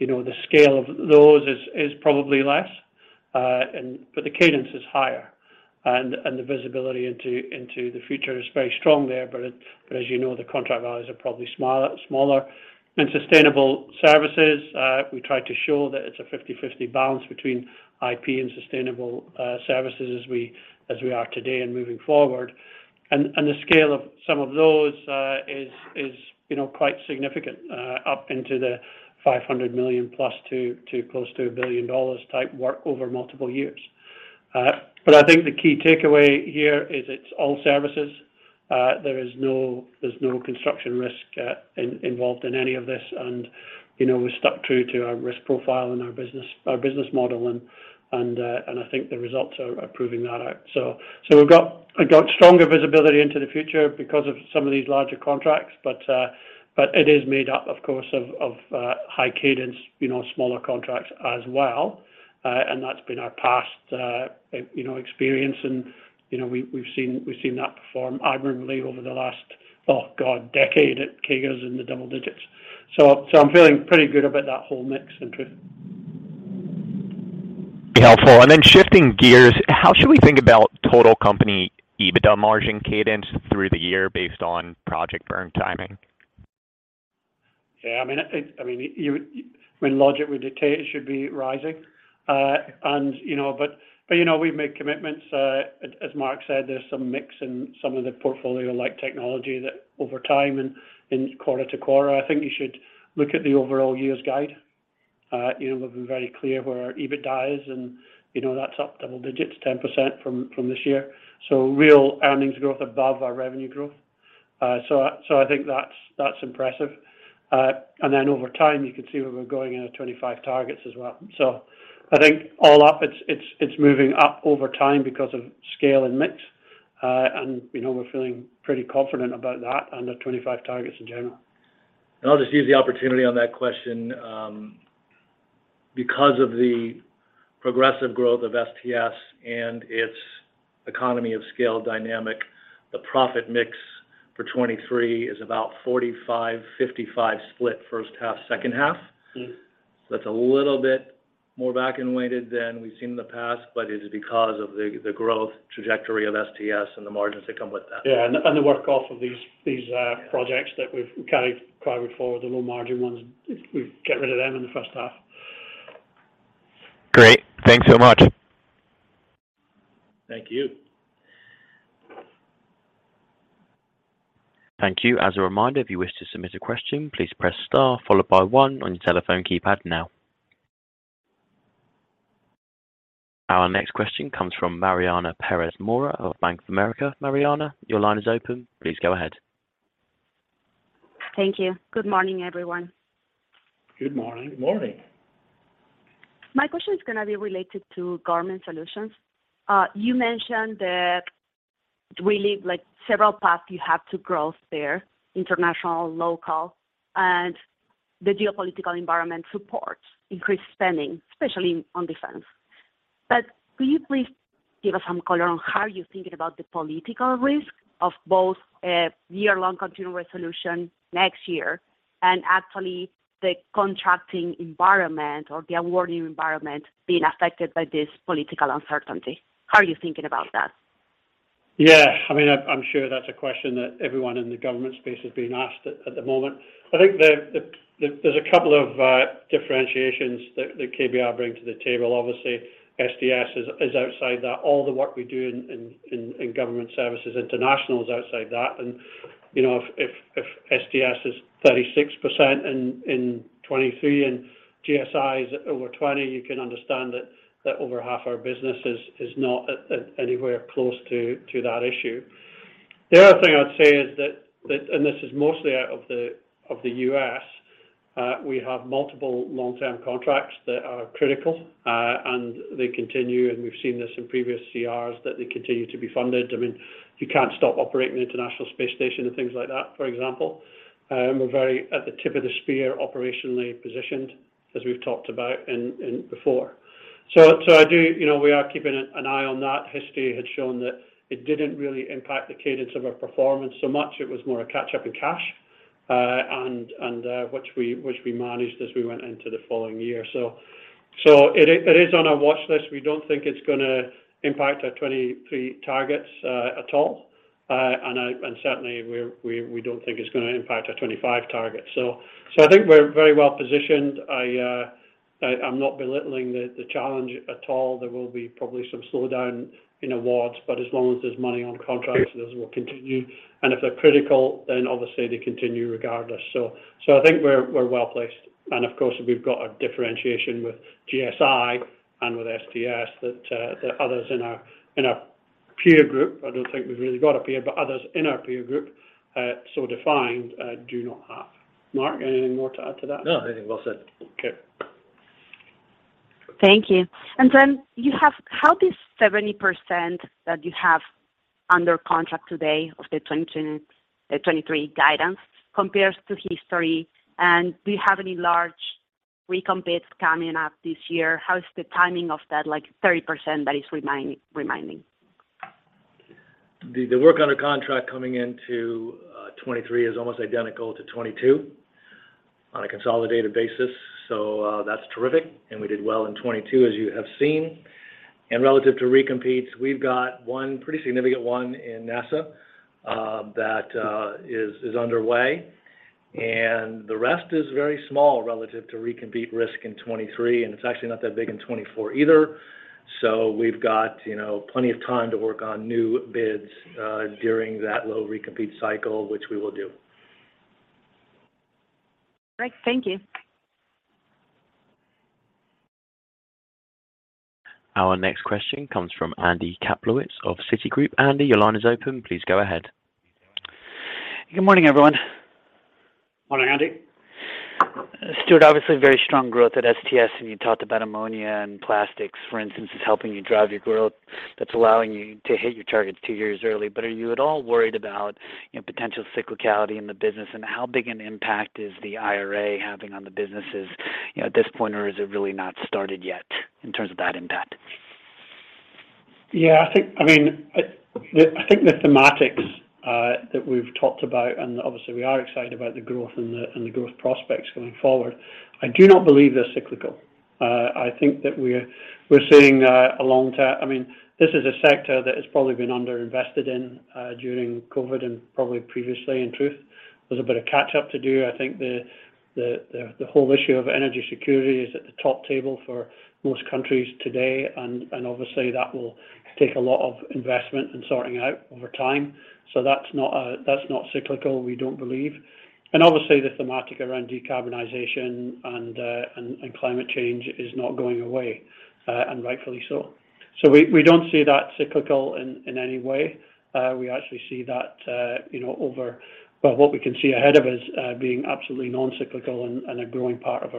you know, the scale of those is probably less, and the cadence is higher. The visibility into the future is very strong there. As you know, the contract values are probably smaller. In sustainable services, we try to show that it's a 50/50 balance between IP and sustainable services as we are today and moving forward. The scale of some of those is, you know, quite significant, up into the 500 million plus to close to $1 billion type work over multiple years. But I think the key takeaway here is it's all services. There is no construction risk involved in any of this. You know, we stuck true to our risk profile and our business model, and I think the results are proving that out. We've got stronger visibility into the future because of some of these larger contracts, but it is made up, of course, of high cadence, you know, smaller contracts as well. That's been our past, you know, experience and, you know, we've seen that perform admirably over the last, oh God, decade at CAGRs in the double digits. I'm feeling pretty good about that whole mix, Adam. Be helpful. Shifting gears, how should we think about total company EBITDA margin cadence through the year based on project burn timing? Yeah, I mean, I think, I mean, you, I mean, logic would dictate it should be rising. You know, but, you know, we've made commitments, as Mark said, there's some mix in some of the portfolio like technology that over time and quarter to quarter, I think you should look at the overall year's guide. You know, we've been very clear where our EBITDA is and, you know, that's up double digits, 10% from this year. Real earnings growth above our revenue growth. I think that's impressive. Then over time, you can see where we're going into 25 targets as well. I think all up it's moving up over time because of scale and mix. You know, we're feeling pretty confident about that under 25 targets in general. I'll just use the opportunity on that question, because of the progressive growth of STS and its economy of scale dynamic, the profit mix for 2023 is about 45/55 split first half, second half. Mm-hmm. That's a little bit more back-ended weighted than we've seen in the past, but it is because of the growth trajectory of STS and the margins that come with that. Yeah. The work off of these projects that we've carried forward, the low margin ones, we get rid of them in the first half. Great. Thanks so much. Thank you. Thank you. As a reminder, if you wish to submit a question, please press star followed by 1 on your telephone keypad now. Our next question comes from Mariana Pérez Mora of Bank of America. Mariana, your line is open. Please go ahead. Thank you. Good morning, everyone. Good morning. Morning. My question is going to be related to Government Solutions. you mentioned that really like several paths you have to growth there, international, local, and the geopolitical environment supports increased spending, especially on defense. Could you please give us some color on how you're thinking about the political risk of both a year-long continuing resolution next year and actually the contracting environment or the awarding environment being affected by this political uncertainty? How are you thinking about that? Yeah. I mean, I'm sure that's a question that everyone in the government space is being asked at the moment. I think the, there's a couple of differentiations that KBR bring to the table. Obviously, STS is outside that. All the work we do in government services, international is outside that. You know, if STS is 36% in 2023 and GSI is over 20%, you can understand that over half our business is not anywhere close to that issue. The other thing I'd say is that, and this is mostly out of the U.S., we have multiple long-term contracts that are critical, and they continue, and we've seen this in previous CRs, that they continue to be funded. I mean, you can't stop operating the International Space Station and things like that, for example. We're very at the tip of the spear operationally positioned, as we've talked about in before. You know, we are keeping an eye on that. History had shown that it didn't really impact the cadence of our performance so much. It was more a catch up in cash, which we managed as we went into the following year. It is on our watch list. We don't think it's going to impact our 2023 targets at all. Certainly, we don't think it's going to impact our 2025 targets. I think we're very well positioned. I'm not belittling the challenge at all. There will be probably some slowdown in awards, but as long as there's money on contracts, those will continue. If they're critical, then obviously they continue regardless. I think we're well-placed. Of course, we've got a differentiation with GSI and with STS that others in our, in our peer group, I don't think we've really got a peer, but others in our peer group, so defined, do not have. Mark, anything more to add to that? No, I think well said. Okay. Thank you. How does 70% that you have under contract today of the 2023 guidance compares to history? Do you have any large recompetes coming up this year? How is the timing of that, like, 30% that is remaining? The work under contract coming into 2023 is almost identical to 2022 on a consolidated basis. That's terrific. We did well in 2022, as you have seen. Relative to recompetes, we've got one pretty significant one in NASA that is underway. The rest is very small relative to recompete risk in 2023, and it's actually not that big in 2024 either. We've got, you know, plenty of time to work on new bids during that low recompete cycle, which we will do. Great. Thank you. Our next question comes from Adam Kaplowitz of Citigroup. Andy, your line is open. Please go ahead. Good morning, everyone. Morning, Andy. Stuart, obviously very strong growth at STS, and you talked about ammonia and plastics, for instance, is helping you drive your growth. That's allowing you to hit your targets two years early. Are you at all worried about, you know, potential cyclicality in the business? How big an impact is the IRA having on the businesses, you know, at this point, or is it really not started yet in terms of that impact? Yeah, I think, I mean, I think the thematics that we've talked about, and obviously we are excited about the growth and the growth prospects going forward. I do not believe they're cyclical. I think that we're seeing, I mean, this is a sector that has probably been under-invested in during COVID and probably previously, in truth. There's a bit of catch-up to do. I think the whole issue of energy security is at the top table for most countries today, and obviously, that will take a lot of investment and sorting out over time. That's not cyclical, we don't believe. Obviously the thematic around decarbonization and climate change is not going away, and rightfully so. we don't see that cyclical in any way. we actually see that, you know, over what we can see ahead of us, being absolutely non-cyclical and a growing part of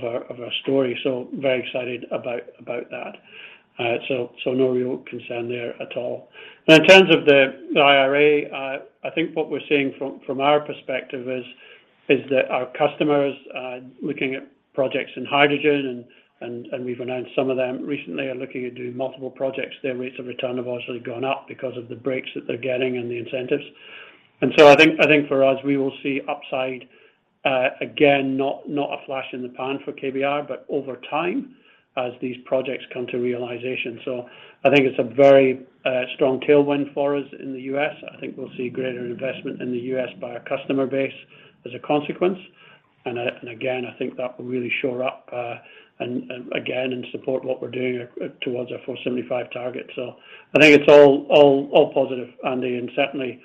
our story. very excited about that. no real concern there at all. In terms of the IRA, I think what we're seeing from our perspective is that our customers are looking at projects in hydrogen and we've announced some of them recently are looking to do multiple projects. Their rates of return have obviously gone up because of the breaks that they're getting and the incentives. I think for us, we will see upside, again, not a flash in the pan for KBR, but over time as these projects come to realization. I think it's a very strong tailwind for us in the U.S. I think we'll see greater investment in the U.S. by our customer base as a consequence. Again, I think that will really shore up and again, and support what we're doing towards our 475 target. I think it's all positive, Andy. Certainly,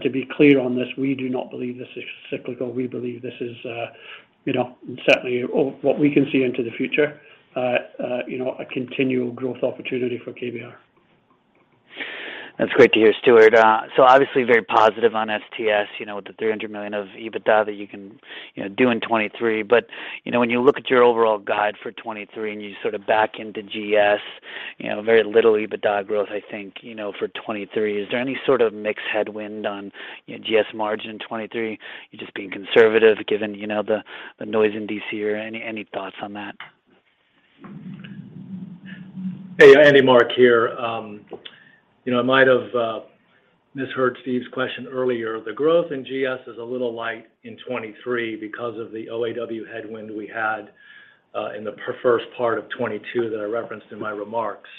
to be clear on this, we do not believe this is cyclical. We believe this is, you know, certainly what we can see into the future, you know, a continual growth opportunity for KBR. That's great to hear, Stuart. Obviously very positive on STS, you know, with the 300 million of EBITDA that you can, you know, do in 2023. When you look at your overall guide for 2023, and you sort of back into GS, you know, very little EBITDA growth, I think, you know, for 2023, is there any sort of mixed headwind on, you know, GS margin in 2023? You're just being conservative given, you know, the noise in D.C. or any thoughts on that? Andy, Mark Sopp here. You know, I might have misheard Steven Fisher's question earlier. The growth in GS is a little light in 2023 because of the OAW headwind we had in the first part of 2022 that I referenced in my remarks.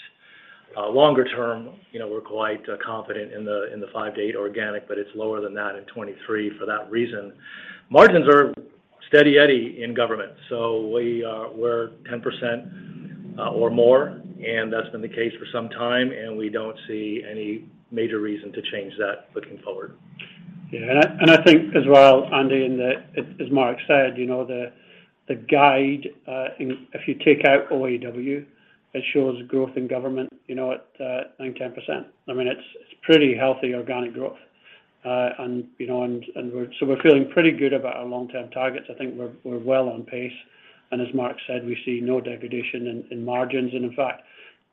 Longer term, you know, we're quite confident in the 5%-8% organic, but it's lower than that in 2023 for that reason. Margins are steady-eddy in government. We're 10% or more, and that's been the case for some time. We don't see any major reason to change that looking forward. Yeah. I think as well, Andy, and as Mark said, you know, the guide, if you take out OAW, it shows growth in government, you know, at 9%, 10%. I mean, it's pretty healthy organic growth. You know, and so we're feeling pretty good about our long-term targets. I think we're well on pace. As Mark said, we see no degradation in margins. In fact,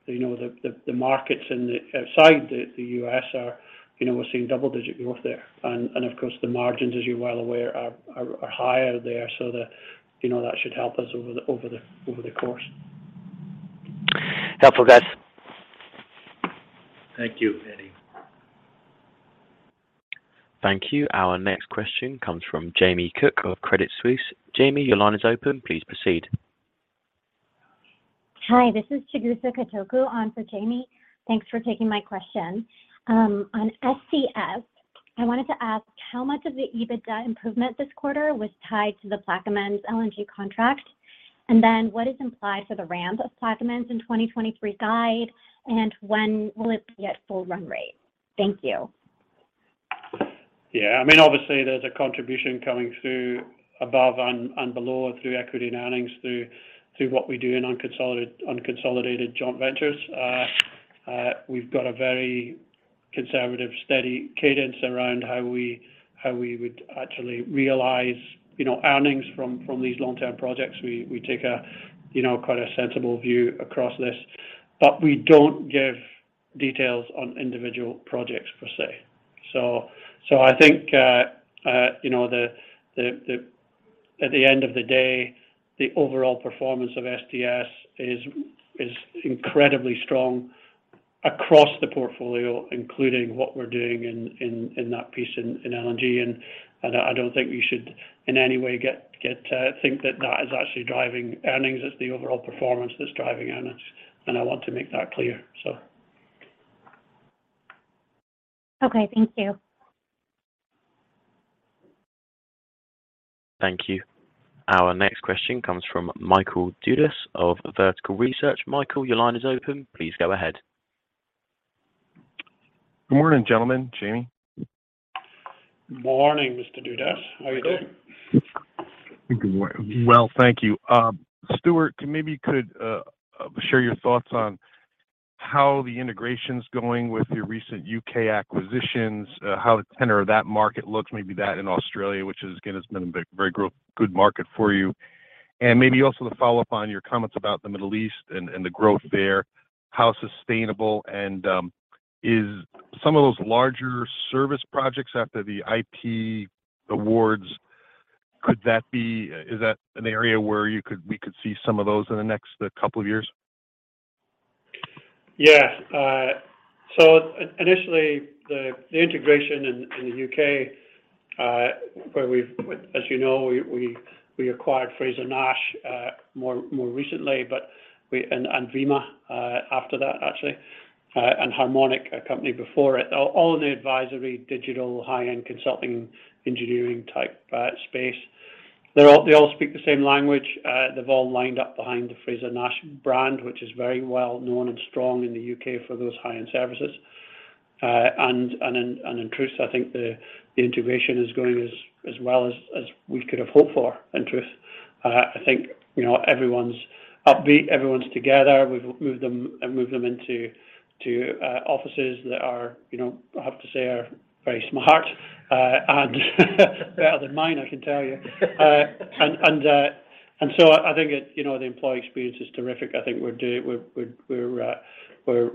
you know, the markets outside the U.S. are, you know, we're seeing double-digit growth there. Of course, the margins, as you're well aware, are, are higher there. The, you know, that should help us over the, over the, over the course. Helpful, guys. Thank you, Andy. Thank you. Our next question comes from Jamie Cook of Credit Suisse. Jamie, your line is open. Please proceed. Hi, this is Chizuru Kato on for Jamie. Thanks for taking my question. On STS, I wanted to ask how much of the EBITDA improvement this quarter was tied to the Plaquemines LNG contract, what is implied for the ramp of Plaquemines in 2023 guide, and when will it be at full run rate? Thank you. Yeah. I mean, obviously, there's a contribution coming through above and below through equity and earnings through what we do in unconsolidated joint ventures. We've got a very conservative, steady cadence around how we would actually realize, you know, earnings from these long-term projects. We take a, you know, quite a sensible view across this. We don't give details on individual projects per se. I think, you know, the at the end of the day, the overall performance of STS is incredibly strong across the portfolio, including what we're doing in that piece in LNG. I don't think we should in any way get to think that that is actually driving earnings. It's the overall performance that's driving earnings, and I want to make that clear. Okay. Thank you. Thank you. Our next question comes from Michael Dudas of Vertical Research. Michael, your line is open. Please go ahead. Good morning, gentlemen. Jamie. Morning, Mr. Dudas. How are you doing? Good morning. Well, thank you. Stuart, maybe you could share your thoughts on how the integration's going with your recent U.K. acquisitions, how the tenor of that market looks, maybe that in Australia, which is, again, has been a very good market for you. Maybe also to follow up on your comments about the Middle East and the growth there, how sustainable and is some of those larger service projects after the IP awards? Is that an area where we could see some of those in the next couple of years? Initially, the integration in the U.K., where we've, as you know, we acquired Frazer-Nash more recently, and VIMA after that actually, and Harmonic, a company before it. All in the advisory digital high-end consulting engineering type space. They all speak the same language. They've all lined up behind the Frazer-Nash brand, which is very well known and strong in the U.K. for those high-end services. In truth, I think the integration is going as well as we could have hoped for, in truth. I think, you know, everyone's upbeat, everyone's together. We've moved them into offices that are, you know, I have to say are very smart and better than mine, I can tell you. I think you know, the employee experience is terrific. I think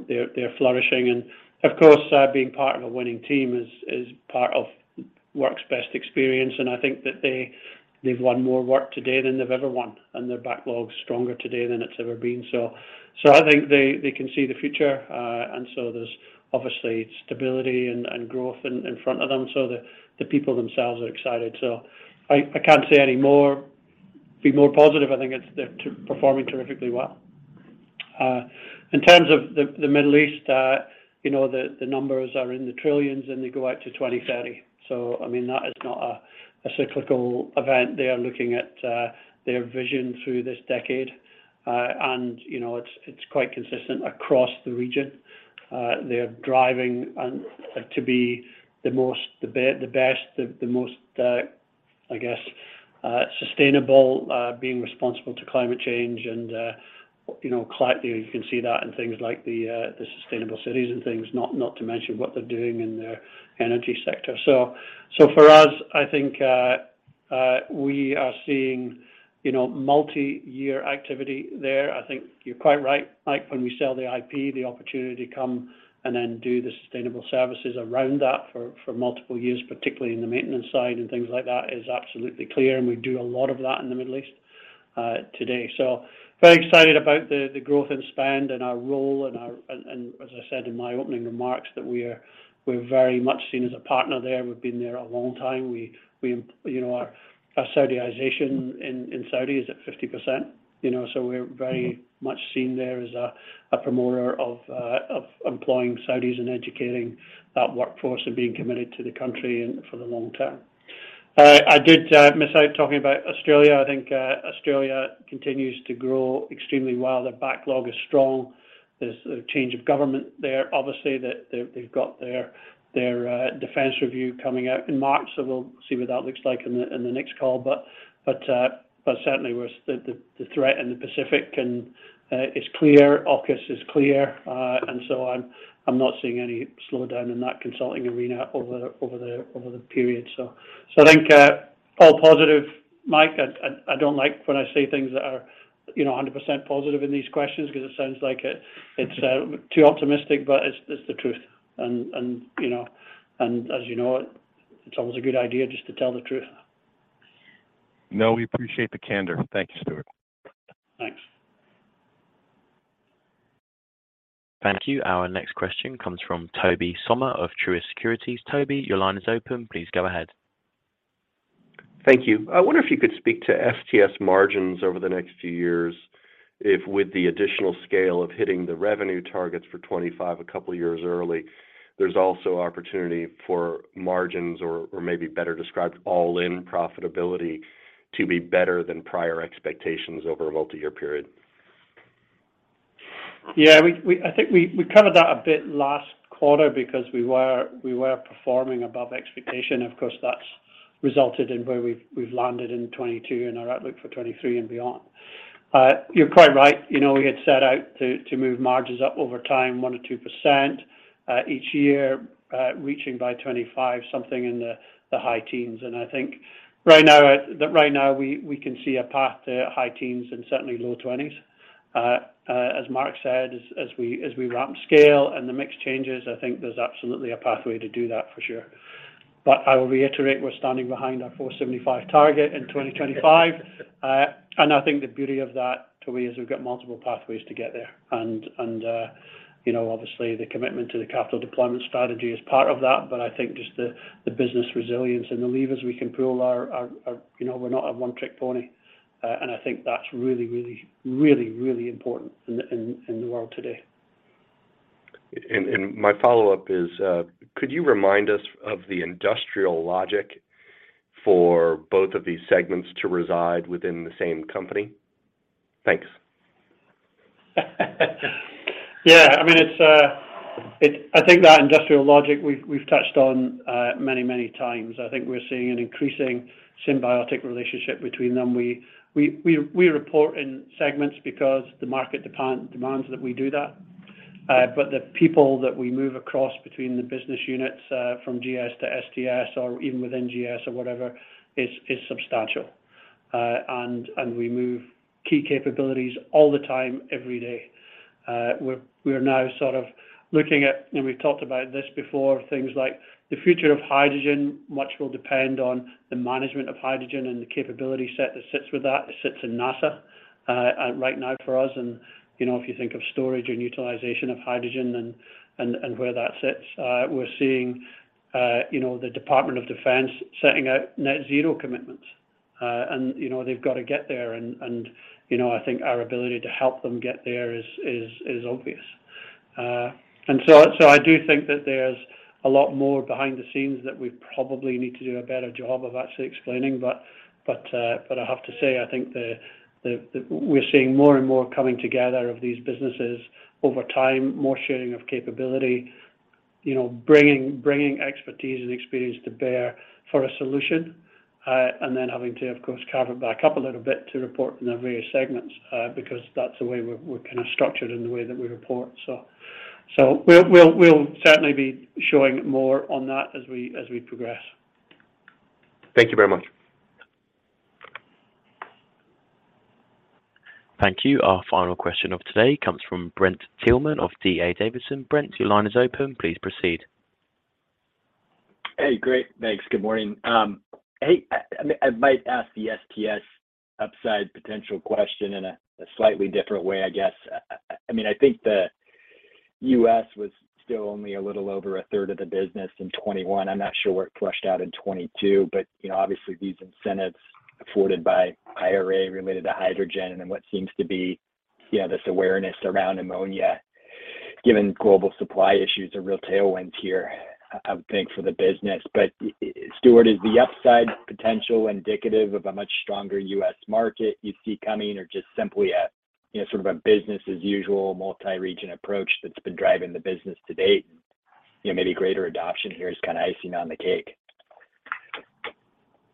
they're flourishing. Of course, being part of a winning team is part of work's best experience, and I think that they've won more work today than they've ever won, and their backlog's stronger today than it's ever been. I think they can see the future, and so there's obviously stability and growth in front of them. The people themselves are excited. I can't say any more, be more positive. I think they're performing terrifically well. In terms of the Middle East, you know, the numbers are in the trillions, and they go out to 2030. I mean, that is not a cyclical event. They are looking at their vision through this decade. You know, it's quite consistent across the region. They're driving to be the best, the most, I guess, sustainable, being responsible to climate change and, you know, clearly you can see that in things like the sustainable cities and things, not to mention what they're doing in their energy sector. For us, I think, we are seeing, you know, multi-year activity there. I think you're quite right, Mike, when we sell the IP, the opportunity come and then do the sustainable services around that for multiple years, particularly in the maintenance side and things like that is absolutely clear, and we do a lot of that in the Middle East today. Very excited about the growth in spend and our role and our. As I said in my opening remarks that we're very much seen as a partner there. We've been there a long time. We, you know, our Saudiization in Saudi is at 50%, you know, so we're very much seen there as a promoter of employing Saudis and educating that workforce and being committed to the country and for the long term. I did miss out talking about Australia. I think Australia continues to grow extremely well. Their backlog is strong. There's a change of government there. Obviously, they've got their defense review coming out in March, so we'll see what that looks like in the next call. Certainly we're the threat in the Pacific and is clear, AUKUS is clear, and so I'm not seeing any slowdown in that consulting arena over the period. I think all positive, Mike. I don't like when I say things that are, you know, 100% positive in these questions 'cause it sounds like it's too optimistic, but it's the truth. You know, as you know, it's always a good idea just to tell the truth. No, we appreciate the candor. Thank you, Stuart. Thanks. Thank you. Our next question comes from Tobey Sommer of Truist Securities. Tobey, your line is open. Please go ahead. Thank you. I wonder if you could speak to STS margins over the next few years, if with the additional scale of hitting the revenue targets for 25 a couple of years early, there's also opportunity for margins or maybe better described all-in profitability to be better than prior expectations over a multi-year period. Yeah. I think we covered that a bit last quarter because we were performing above expectation. Of course, that's resulted in where we've landed in 2022 and our outlook for 2023 and beyond. You're quite right. You know, we had set out to move margins up over time, 1% or 2% each year, reaching by 2025 something in the high teens. I think right now we can see a path to high teens and certainly low twenties. As Mark said, as we ramp scale and the mix changes, I think there's absolutely a pathway to do that for sure. I will reiterate, we're standing behind our 475 target in 2025. I think the beauty of that, Tobey, is we've got multiple pathways to get there. You know, obviously, the commitment to the capital deployment strategy is part of that. I think just the business resilience and the levers we can pull are, you know, we're not a one-trick pony, and I think that's really important in the world today. My follow-up is, could you remind us of the industrial logic for both of these segments to reside within the same company? Thanks. Yeah. I mean, it's I think that industrial logic we've touched on many, many times. I think we're seeing an increasing symbiotic relationship between them. We report in segments because the market demand, demands that we do that. The people that we move across between the business units from GS to STS or even within GS or whatever is substantial. And we move key capabilities all the time, every day. We are now sort of looking at, and we've talked about this before, things like the future of hydrogen, much will depend on the management of hydrogen and the capability set that sits with that. It sits in NASA right now for us. You know, if you think of storage and utilization of hydrogen and where that sits, we're seeing, you know, the Department of Defense setting out net zero commitments. You know, they've got to get there and, you know, I think our ability to help them get there is obvious. So I do think that there's a lot more behind the scenes that we probably need to do a better job of actually explaining. I have to say, I think we're seeing more and more coming together of these businesses over time, more sharing of capability, you know, bringing expertise and experience to bear for a solution, and then having to, of course, carve it back up a little bit to report in the various segments, because that's the way we're kind of structured in the way that we report. We'll certainly be showing more on that as we progress. Thank you very much. Thank you. Our final question of today comes from Brent Thielman of D.A. Davidson. Brent, your line is open. Please proceed. Hey, great. Thanks. Good morning. Hey, I might ask the STS upside potential question in a slightly different way, I guess. I mean, I think the U.S. was still only a little over a third of the business in 2021. I'm not sure where it flushed out in 2022. You know, obviously these incentives afforded by IRA related to hydrogen and what seems to be, you know, this awareness around ammonia, given global supply issues are real tailwinds here, I would think, for the business. Stuart, is the upside potential indicative of a much stronger U.S. market you see coming or just simply a, you know, sort of a business as usual multi-region approach that's been driving the business to date? You know, maybe greater adoption here is kind of icing on the cake.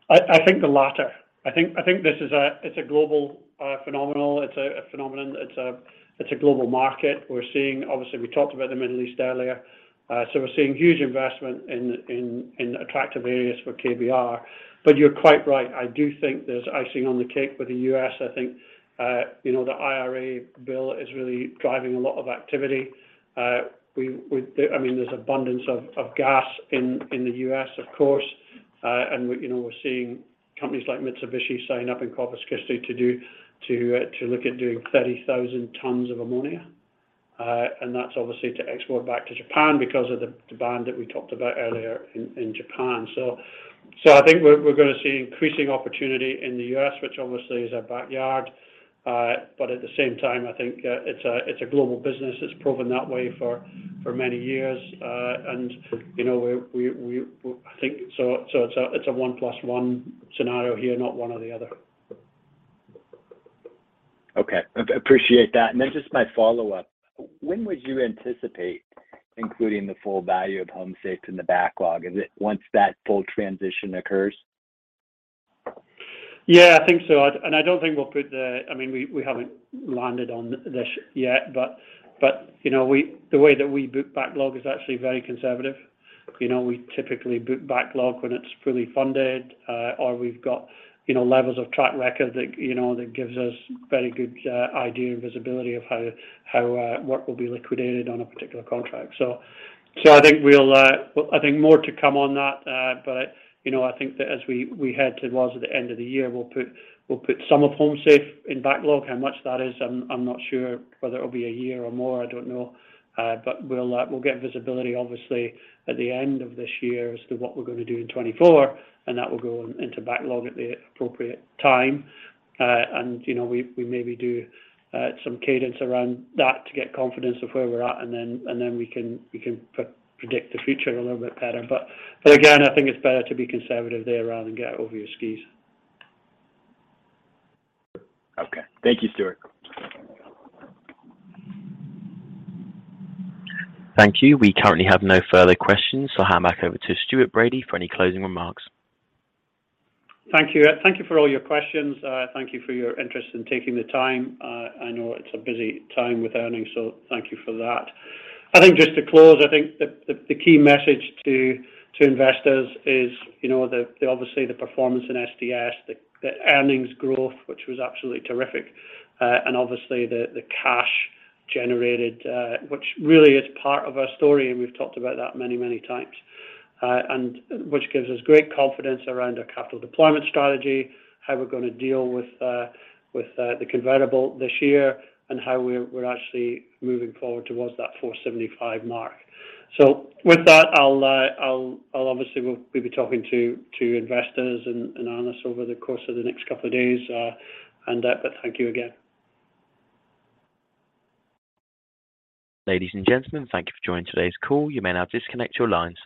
I think the latter. I think this is a global phenomenon. It's a phenomenon. It's a global market. We're seeing obviously, we talked about the Middle East earlier, so we're seeing huge investment in attractive areas for KBR. You're quite right, I do think there's icing on the cake with the U.S. I think, you know, the IRA bill is really driving a lot of activity. We, I mean, there's abundance of gas in the U.S., of course. We, you know, we're seeing companies like Mitsubishi signing up in Corpus Christi to do, to look at doing 30,000 tons of ammonia. That's obviously to export back to Japan because of the ban that we talked about earlier in Japan. I think we're going to see increasing opportunity in the U.S., which obviously is our backyard. At the same time, I think, it's a global business. It's proven that way for many years. You know, I think it's a 1 plus 1 scenario here, not 1 or the other. Okay. Appreciate that. Just my follow-up. When would you anticipate including the full value of HomeSafe in the backlog? Is it once that full transition occurs? Yeah, I think so. I don't think we'll put I mean, we haven't landed on this yet, but, you know, we, the way that we book backlog is actually very conservative. You know, we typically book backlog when it's fully funded, or we've got, you know, levels of track record that, you know, that gives us very good idea and visibility of how work will be liquidated on a particular contract. I think we'll, well, I think more to come on that. You know, I think that as we head towards the end of the year, we'll put some of HomeSafe in backlog. How much that is, I'm not sure. Whether it'll be a year or more, I don't know. We'll get visibility obviously at the end of this year as to what we're going to do in 2024, and that will go into backlog at the appropriate time. You know, we maybe do some cadence around that to get confidence of where we're at, and then we can pre-predict the future a little bit better. Again, I think it's better to be conservative there rather than get over your skis. Okay. Thank you, Stuart. Thank you. We currently have no further questions, so I'll hand back over to Stuart Bradie for any closing remarks. Thank you. Thank you for all your questions. Thank you for your interest in taking the time. I know it's a busy time with earnings, thank you for that. I think just to close, I think the key message to investors is, you know, the obviously the performance in STS, the earnings growth, which was absolutely terrific. Obviously the cash generated, which really is part of our story, and we've talked about that many times. Which gives us great confidence around our capital deployment strategy, how we're going to deal with the convertible this year, and how we're actually moving forward towards that 475 mark. With that, I'll obviously we'll be talking to investors and analysts over the course of the next couple of days. Thank you again. Ladies and gentlemen, thank you for joining today's call. You may now disconnect your lines.